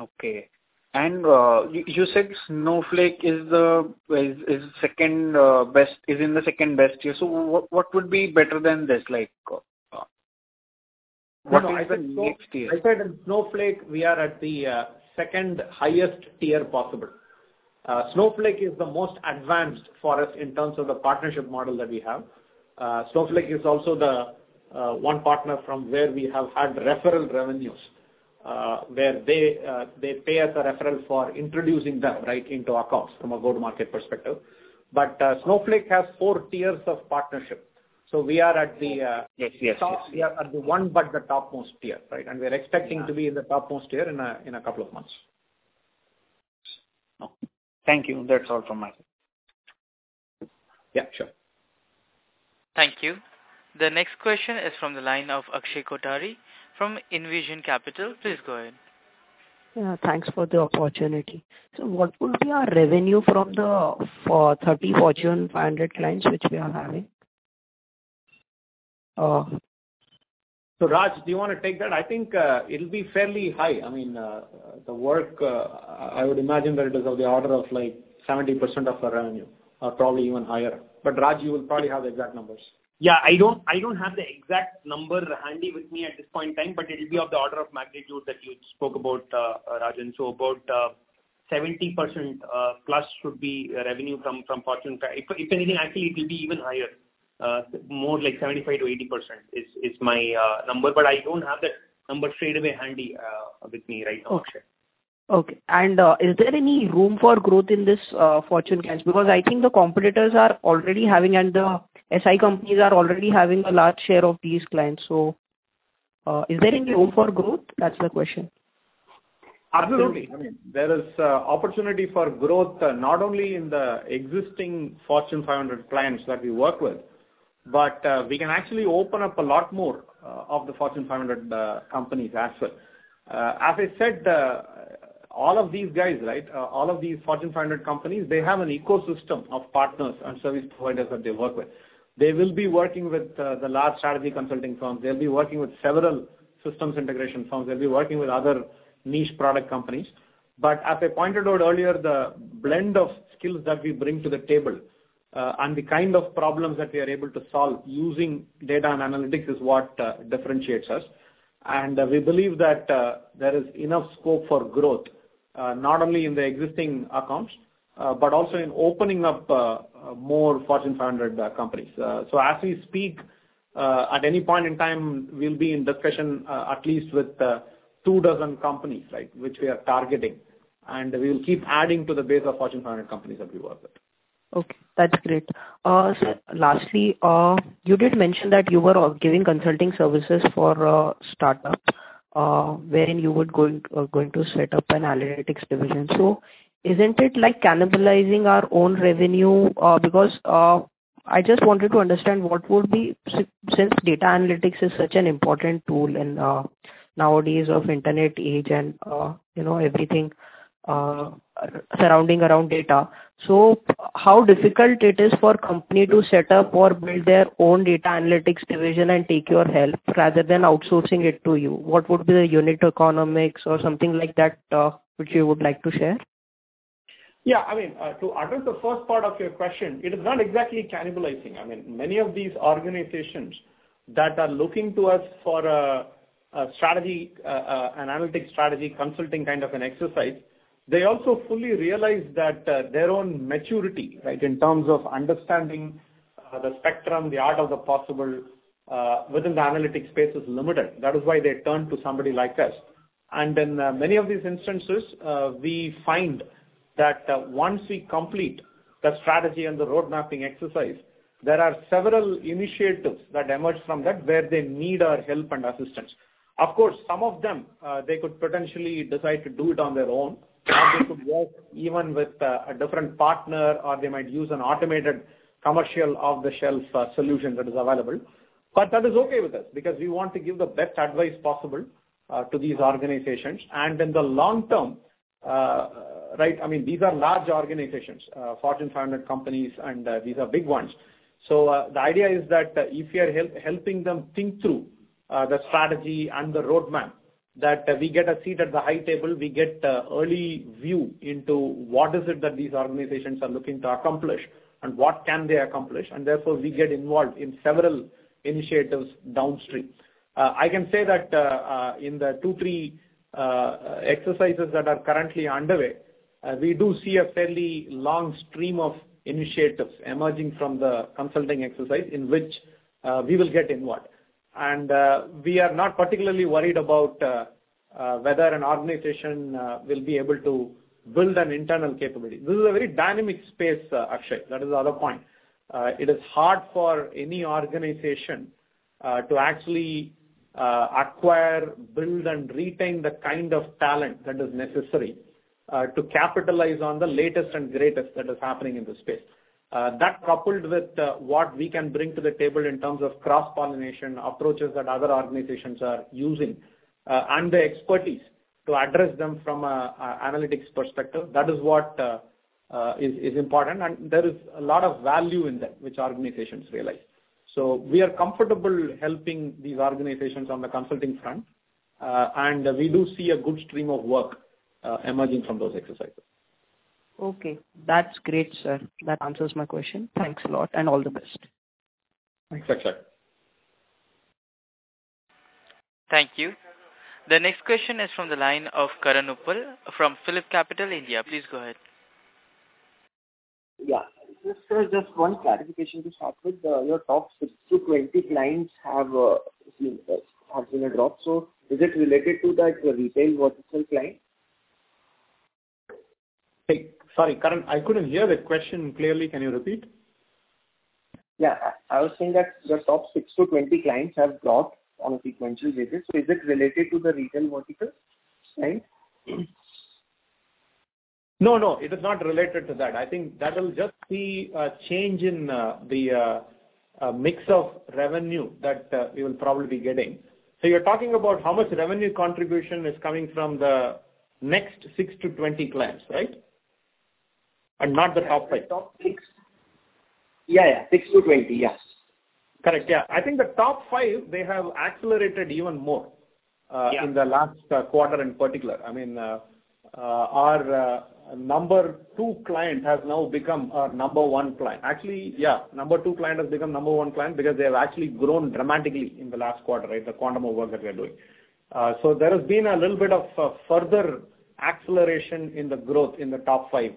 Okay, you said Snowflake is in the second best tier. What would be better than this? Like, what is the next tier? I said, in Snowflake, we are at the second highest tier possible. Snowflake is the most advanced for us in terms of the partnership model that we have. Snowflake is also the one partner from where we have had referral revenues, where they pay us a referral for introducing them, right, into our accounts from a go-to-market perspective. Snowflake has four tiers of partnership. We are at the Yes, yes. We are at the one but the topmost tier, right? We are expecting to be in the topmost tier in a couple of months. Thank you. That's all from my side. Yeah, sure. Thank you. The next question is from the line of Akshay Kothari from Envision Capital. Please go ahead. Yeah, thanks for the opportunity. What will be our revenue from the 30 Fortune 500 clients which we are having? Raj, do you wanna take that? I think it'll be fairly high. I mean, the work, I would imagine that it is of the order of like 70% of the revenue or probably even higher. Raj, you will probably have the exact numbers. Yeah. I don't have the exact number handy with me at this point in time, but it'll be of the order of magnitude that you spoke about, Rajan. About 70%+ should be revenue from Fortune. If anything, actually it will be even higher, more like 75%-80% is my number, but I don't have that number straightaway handy with me right now. Okay. Is there any room for growth in this Fortune 500 clients? Because I think the competitors are already having and the SI companies are already having a large share of these clients. Is there any room for growth? That's the question. Absolutely. I mean, there is opportunity for growth not only in the existing Fortune 500 clients that we work with, but we can actually open up a lot more of the Fortune 500 companies as well. As I said, all of these guys, right, all of these Fortune 500 companies, they have an ecosystem of partners and service providers that they work with. They will be working with the large strategy consulting firms. They'll be working with several systems integration firms. They'll be working with other niche product companies. But as I pointed out earlier, the blend of skills that we bring to the table and the kind of problems that we are able to solve using data and analytics is what differentiates us. We believe that there is enough scope for growth, not only in the existing accounts, but also in opening up more Fortune 500 companies. As we speak, at any point in time, we'll be in discussion at least with two dozen companies, right, which we are targeting, and we'll keep adding to the base of Fortune 500 companies that we work with. Okay, that's great. Sir, lastly, you did mention that you were giving consulting services for startups, wherein you were going to set up an analytics division. Isn't it like cannibalizing our own revenue? Because I just wanted to understand what would be since data analytics is such an important tool in nowadays of internet age and, you know, everything surrounding around data. How difficult it is for company to set up or build their own data analytics division and take your help rather than outsourcing it to you? What would be the unit economics or something like that, which you would like to share? Yeah. I mean, to address the first part of your question, it is not exactly cannibalizing. I mean, many of these organizations that are looking to us for a strategy, an analytics strategy consulting kind of an exercise, they also fully realize that their own maturity, right, in terms of understanding the spectrum, the art of the possible, within the analytics space is limited. That is why they turn to somebody like us. In many of these instances, we find that once we complete the strategy and the road mapping exercise, there are several initiatives that emerge from that where they need our help and assistance. Of course, some of them they could potentially decide to do it on their own. They could work even with a different partner or they might use an automated commercial off-the-shelf solution that is available. That is okay with us because we want to give the best advice possible to these organizations. In the long term, right, I mean, these are large organizations, Fortune 500 companies, and these are big ones. The idea is that if you are helping them think through the strategy and the roadmap that we get a seat at the high table, we get early view into what is it that these organizations are looking to accomplish and what can they accomplish, and therefore we get involved in several initiatives downstream. I can say that in the two, three exercises that are currently underway, we do see a fairly long stream of initiatives emerging from the consulting exercise in which we will get involved. We are not particularly worried about whether an organization will be able to build an internal capability. This is a very dynamic space, Akshay. That is the other point. It is hard for any organization to actually acquire, build, and retain the kind of talent that is necessary to capitalize on the latest and greatest that is happening in the space. That coupled with what we can bring to the table in terms of cross-pollination, approaches that other organizations are using, and the expertise to address them from a analytics perspective, that is what is important. There is a lot of value in that which organizations realize. We are comfortable helping these organizations on the consulting front, and we do see a good stream of work emerging from those exercises. Okay. That's great, sir. That answers my question. Thanks a lot, and all the best. Thanks, Akshay. Thank you. The next question is from the line of Karan Uppal from PhillipCapital India. Please go ahead. Yeah. Just one clarification to start with. Your top 6-20 clients have been dropped. Is it related to that, your retail vertical client? Sorry, Karan, I couldn't hear the question clearly. Can you repeat? Yeah. I was saying that your top 6-20 clients have dropped on a sequential basis. Is it related to the retail vertical side? No, no, it is not related to that. I think that will just be a change in the mix of revenue that we will probably be getting. You're talking about how much revenue contribution is coming from the next 6-20 clients, right? Not the top five. The top six. Yeah. 6-20, yes. Correct. Yeah. I think the top five, they have accelerated even more. Yeah. In the last quarter in particular. I mean, our number two client has now become our number one client. Actually, yeah, number two client has become number one client because they have actually grown dramatically in the last quarter, right? The quantum of work that we are doing. So there has been a little bit of further acceleration in the growth in the top five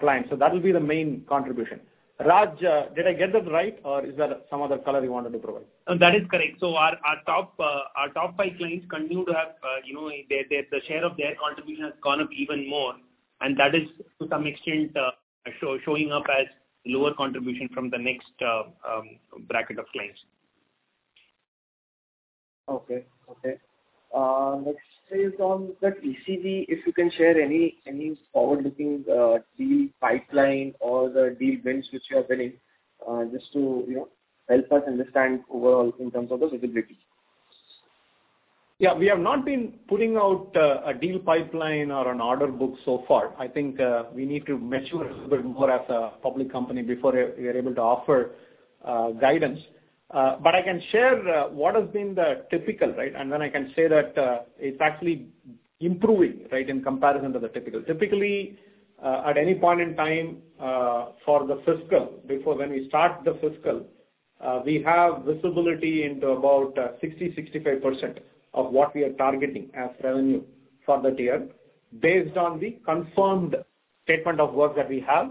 clients. So that will be the main contribution. Raj, did I get that right or is there some other color you wanted to provide? That is correct. Our top five clients continue to have, you know, the share of their contribution has gone up even more, and that is to some extent showing up as lower contribution from the next bracket of clients. Next is on the TCV, if you can share any forward-looking deal pipeline or the deal wins which you have been in, just to, you know, help us understand overall in terms of the visibility. Yeah. We have not been putting out a deal pipeline or an order book so far. I think we need to mature a little bit more as a public company before we are able to offer guidance. I can share what has been the typical, right? I can say that it's actually improving, right, in comparison to the typical. Typically, at any point in time, for the fiscal, before when we start the fiscal, we have visibility into about 65% of what we are targeting as revenue for that year based on the confirmed statement of work that we have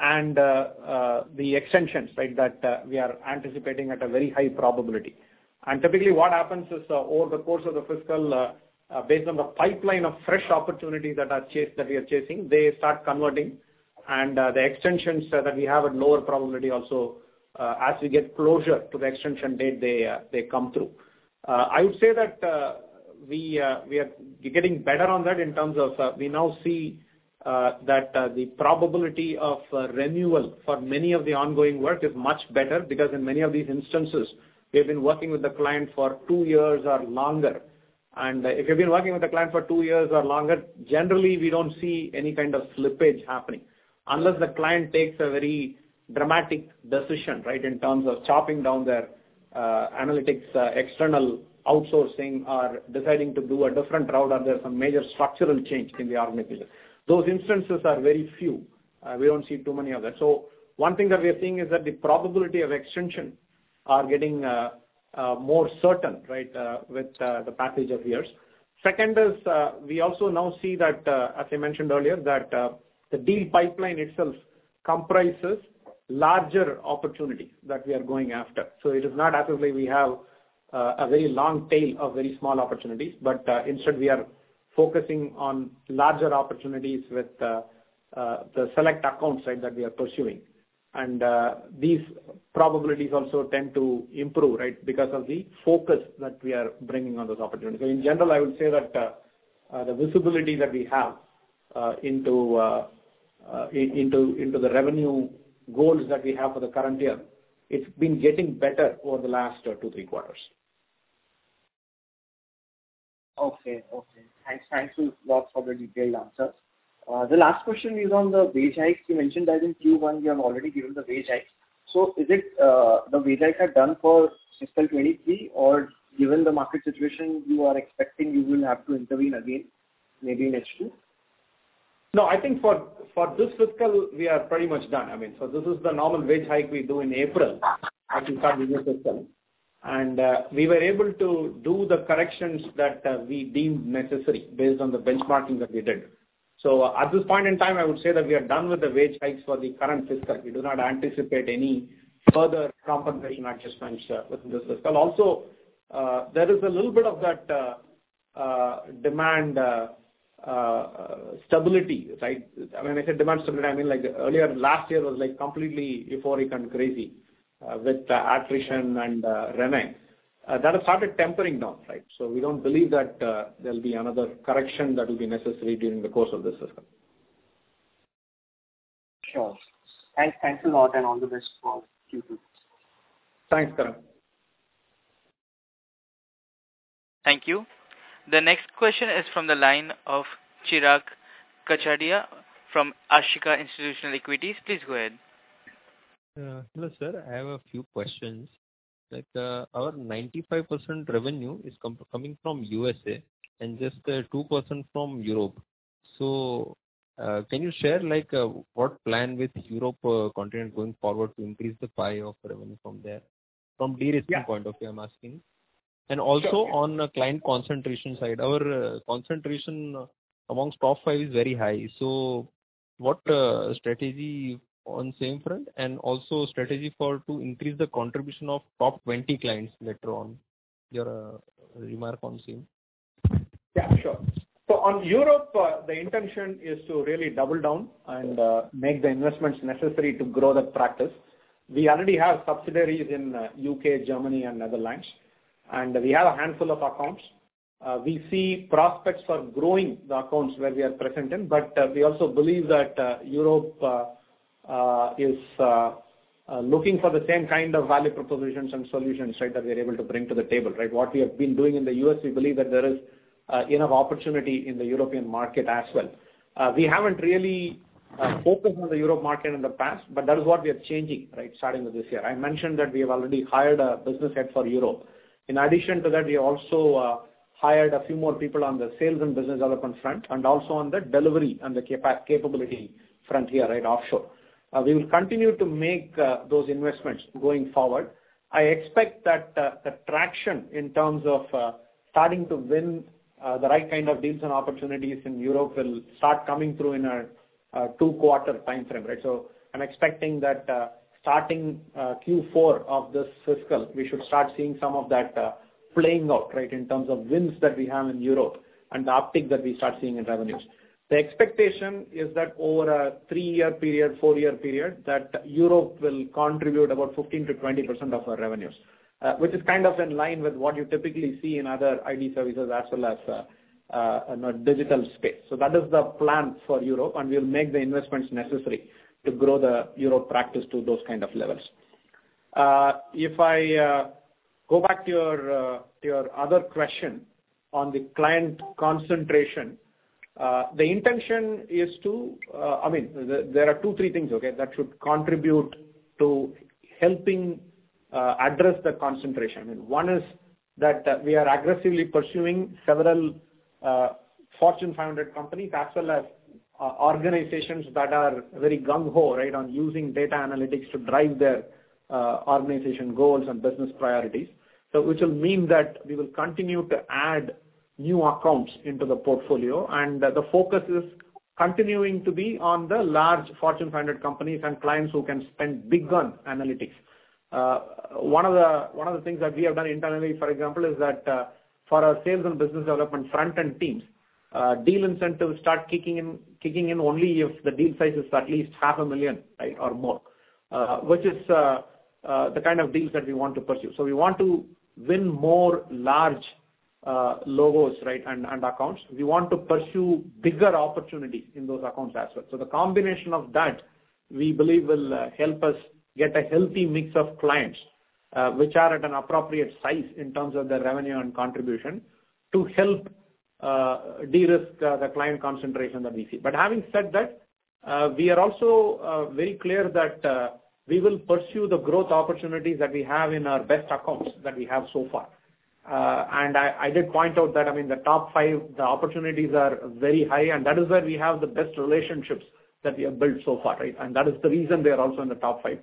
and the extensions, right, that we are anticipating at a very high probability. Typically, what happens is, over the course of the fiscal, based on the pipeline of fresh opportunities that we are chasing, they start converting. The extensions that we have at lower probability also, as we get closer to the extension date, they come through. I would say that we are getting better on that in terms of, we now see that the probability of renewal for many of the ongoing work is much better because in many of these instances, we have been working with the client for two years or longer. If you've been working with the client for two years or longer, generally, we don't see any kind of slippage happening unless the client takes a very dramatic decision, right, in terms of chopping down their, analytics, external outsourcing or deciding to do a different route or there's some major structural change in the organization. Those instances are very few. We don't see too many of that. One thing that we are seeing is that the probability of extension are getting, more certain, right, with, the passage of years. Second is, we also now see that, as I mentioned earlier, that, the deal pipeline itself comprises larger opportunities that we are going after. It is not as if we have a very long tail of very small opportunities, but instead, we are focusing on larger opportunities with the the select accounts, right, that we are pursuing. These probabilities also tend to improve, right, because of the focus that we are bringing on those opportunities. In general, I would say that the visibility that we have into the revenue goals that we have for the current year, it's been getting better over the last 2-3 quarters. Okay. Thanks a lot for the detailed answer. The last question is on the wage hikes. You mentioned that in Q1, you have already given the wage hikes. Is it the wage hike are done for fiscal 2023 or given the market situation you are expecting you will have to intervene again, maybe in H2? No, I think for this fiscal we are pretty much done. I mean, this is the normal wage hike we do in April as we start the new system. We were able to do the corrections that we deemed necessary based on the benchmarking that we did. At this point in time, I would say that we are done with the wage hikes for the current fiscal. We do not anticipate any further compensation adjustments within this fiscal. Also, there is a little bit of that demand stability, right? I mean, when I say demand stability, I mean like earlier last year was like completely euphoric and crazy with the attrition and renege. That has started tempering down, right? We don't believe that there'll be another correction that will be necessary during the course of this fiscal. Sure. Thanks. Thanks a lot and all the best for Q2. Thanks, Karan. Thank you. The next question is from the line of Chirag Kachhadiya from Ashika Institutional Equities. Please go ahead. Hello, sir. I have a few questions. Like, our 95% revenue is coming from USA and just 2% from Europe. Can you share like what plan with Europe continent going forward to increase the pie of revenue from there? Yeah. Point of view, I'm asking. Sure. Also on the client concentration side, our concentration among top five is very high. What strategy on same front and also strategy to increase the contribution of top 20 clients later on? Your remark on same. Yeah, sure. On Europe, the intention is to really double down and make the investments necessary to grow the practice. We already have subsidiaries in U.K., Germany and Netherlands, and we have a handful of accounts. We see prospects for growing the accounts where we are present in, but we also believe that Europe is looking for the same kind of value propositions and solutions, right, that we're able to bring to the table, right? What we have been doing in the U.S., we believe that there is enough opportunity in the European market as well. We haven't really focused on the Europe market in the past, but that is what we are changing, right, starting with this year. I mentioned that we have already hired a business head for Europe. In addition to that, we also hired a few more people on the sales and business development front and also on the delivery and the capability front here, right, offshore. We will continue to make those investments going forward. I expect that the traction in terms of starting to win the right kind of deals and opportunities in Europe will start coming through in a two-quarter time frame, right? I'm expecting that starting Q4 of this fiscal, we should start seeing some of that playing out, right, in terms of wins that we have in Europe and the uptick that we start seeing in revenues. The expectation is that over a three-year period, four-year period, that Europe will contribute about 15%-20% of our revenues, which is kind of in line with what you typically see in other IT services as well as in a digital space. That is the plan for Europe, and we'll make the investments necessary to grow the Europe practice to those kind of levels. If I go back to your other question on the client concentration, the intention is to, I mean, there are two, three things, okay, that should contribute to helping address the concentration. One is that we are aggressively pursuing several Fortune 500 companies as well as organizations that are very gung-ho, right, on using data analytics to drive their organization goals and business priorities. Which will mean that we will continue to add new accounts into the portfolio, and the focus is continuing to be on the large Fortune 500 companies and clients who can spend big on analytics. One of the things that we have done internally, for example, is that for our sales and business development front-end teams, deal incentives start kicking in only if the deal size is at least INR half a million, right, or more, which is the kind of deals that we want to pursue. We want to win more large logos, right, and accounts. We want to pursue bigger opportunities in those accounts as well. The combination of that, we believe will help us get a healthy mix of clients, which are at an appropriate size in terms of their revenue and contribution to help de-risk the client concentration that we see. Having said that, we are also very clear that we will pursue the growth opportunities that we have in our best accounts that we have so far. I did point out that, I mean, the top five, the opportunities are very high, and that is where we have the best relationships that we have built so far, right? That is the reason they are also in the top five.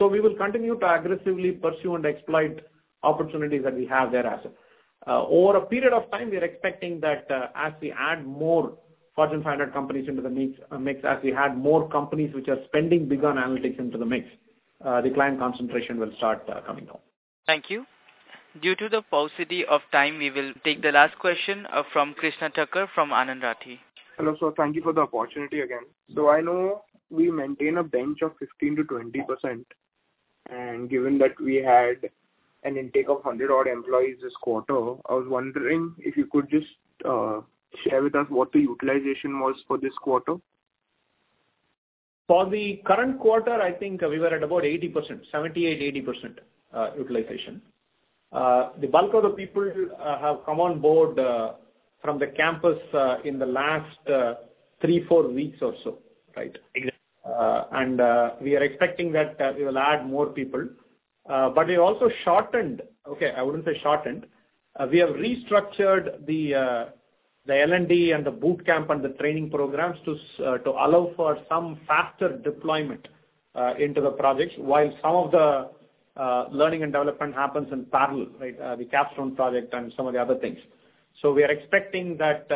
We will continue to aggressively pursue and exploit opportunities that we have there as well. Over a period of time, we are expecting that, as we add more Fortune 500 companies into the mix, as we add more companies which are spending big on analytics into the mix, the client concentration will start coming down. Thank you. Due to the paucity of time, we will take the last question from Krishna Thakker from Anand Rathi. Hello, sir. Thank you for the opportunity again. I know we maintain a bench of 15%-20%. Given that we had an intake of 100 odd employees this quarter, I was wondering if you could just share with us what the utilization was for this quarter. For the current quarter, I think we were at about 80%, 78%, 80% utilization. The bulk of the people have come on board from the campus in the last three, four weeks or so, right? Exactly. We are expecting that we will add more people. But we have restructured the L&D and the boot camp and the training programs to allow for some faster deployment into the projects while some of the learning and development happens in parallel, right? The capstone project and some of the other things. We are expecting that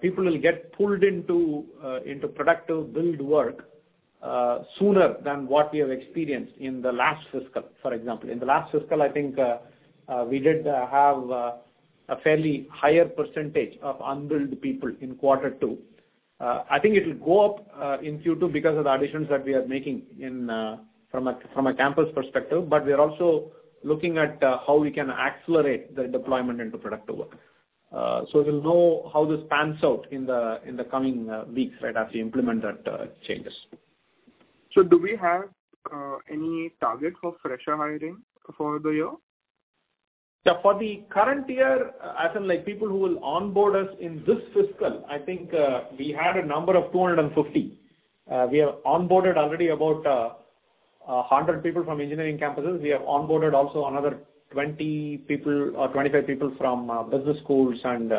people will get pulled into productive billed work sooner than what we have experienced in the last fiscal, for example. In the last fiscal, I think we did have a fairly higher percentage of unbilled people in quarter two. I think it will go up in Q2 because of the additions that we are making in from a campus perspective, but we are also looking at how we can accelerate the deployment into productive work. So we'll know how this pans out in the coming weeks, right, as we implement that changes. Do we have any target for fresher hiring for the year? Yeah. For the current year, as in like people who will onboard us in this fiscal, I think we had a number of 250. We have onboarded already about 100 people from engineering campuses. We have onboarded also another 20 people or 25 people from business schools and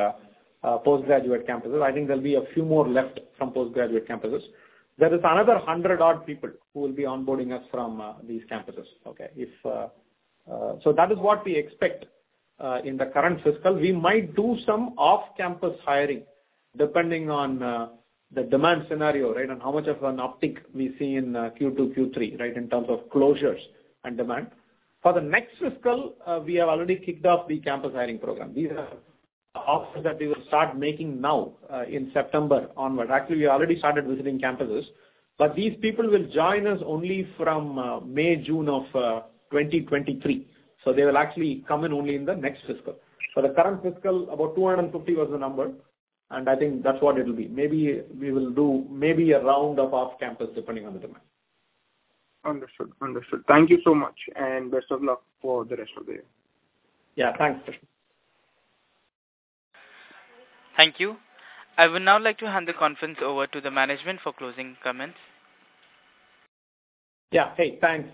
postgraduate campuses. I think there'll be a few more left from postgraduate campuses. There is another 100 odd people who will be onboarding us from these campuses, okay? That is what we expect in the current fiscal. We might do some off-campus hiring depending on the demand scenario, right, on how much of an uptick we see in Q2, Q3, right, in terms of closures and demand. For the next fiscal, we have already kicked off the campus hiring program. These are offers that we will start making now, in September onward. Actually, we already started visiting campuses, but these people will join us only from May, June of 2023. They will actually come in only in the next fiscal. For the current fiscal, about 250 was the number, and I think that's what it'll be. Maybe we will do a round of off-campus, depending on the demand. Understood. Thank you so much, and best of luck for the rest of the year. Yeah, thanks. Thank you. I would now like to hand the conference over to the management for closing comments. Yeah. Hey, thanks,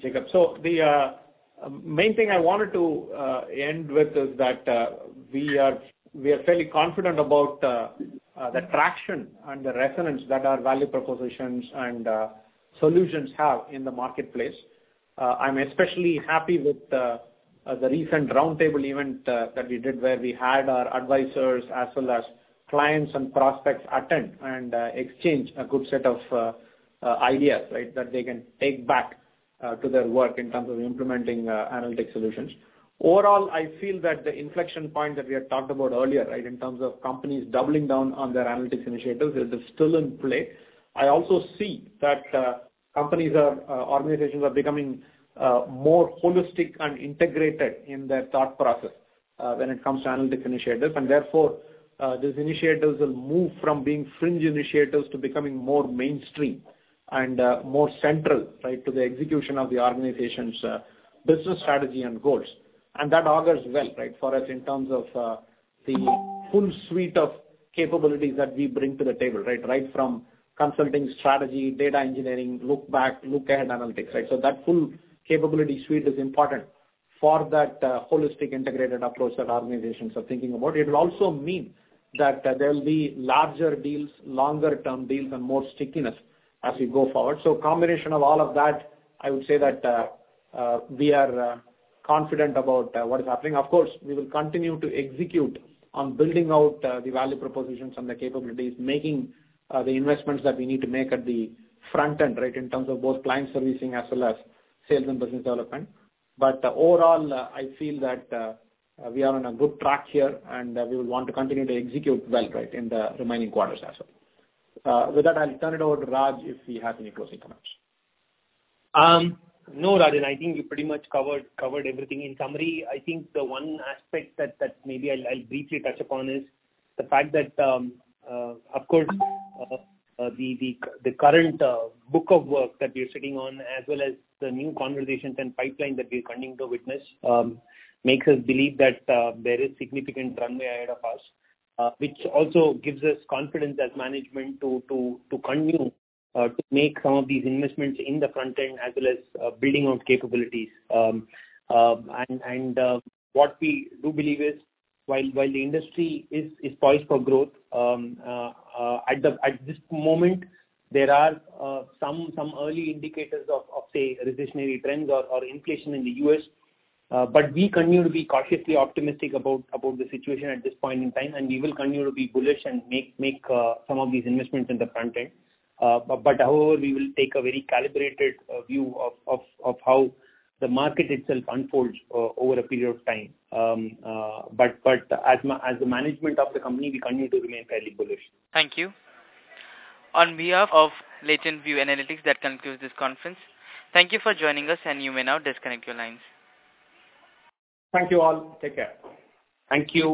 Jacob. The main thing I wanted to end with is that we are fairly confident about the traction and the resonance that our value propositions and solutions have in the marketplace. I'm especially happy with the recent roundtable event that we did where we had our advisors as well as clients and prospects attend and exchange a good set of ideas, right? That they can take back to their work in terms of implementing analytics solutions. Overall, I feel that the inflection point that we had talked about earlier, right, in terms of companies doubling down on their analytics initiatives is still in play. I also see that organizations are becoming more holistic and integrated in their thought process when it comes to analytics initiatives. Therefore, these initiatives will move from being fringe initiatives to becoming more mainstream and more central, right, to the execution of the organization's business strategy and goals. That augurs well, right, for us in terms of the full suite of capabilities that we bring to the table, right? Right from consulting strategy, data engineering, look back, look ahead analytics, right? That full capability suite is important for that holistic integrated approach that organizations are thinking about. It'll also mean that there'll be larger deals, longer-term deals and more stickiness as we go forward. Combination of all of that, I would say that we are confident about what is happening. Of course, we will continue to execute on building out the value propositions and the capabilities, making the investments that we need to make at the front end, right, in terms of both client servicing as well as sales and business development. Overall, I feel that we are on a good track here, and we will want to continue to execute well, right, in the remaining quarters as well. With that, I'll turn it over to Raj if he has any closing comments. No, Rajan. I think you pretty much covered everything. In summary, I think the one aspect that maybe I'll briefly touch upon is the fact that, of course, the current book of work that we're sitting on as well as the new conversations and pipeline that we're continuing to witness makes us believe that there is significant runway ahead of us. Which also gives us confidence as management to continue to make some of these investments in the front end as well as building out capabilities. And what we do believe is while the industry is poised for growth, at this moment, there are some early indicators of, say, recessionary trends or inflation in the U.S. We continue to be cautiously optimistic about the situation at this point in time, and we will continue to be bullish and make some of these investments in the front end. However, we will take a very calibrated view of how the market itself unfolds over a period of time. As the management of the company, we continue to remain fairly bullish. Thank you. On behalf of Latent View Analytics, that concludes this conference. Thank you for joining us, and you may now disconnect your lines. Thank you all. Take care. Thank you.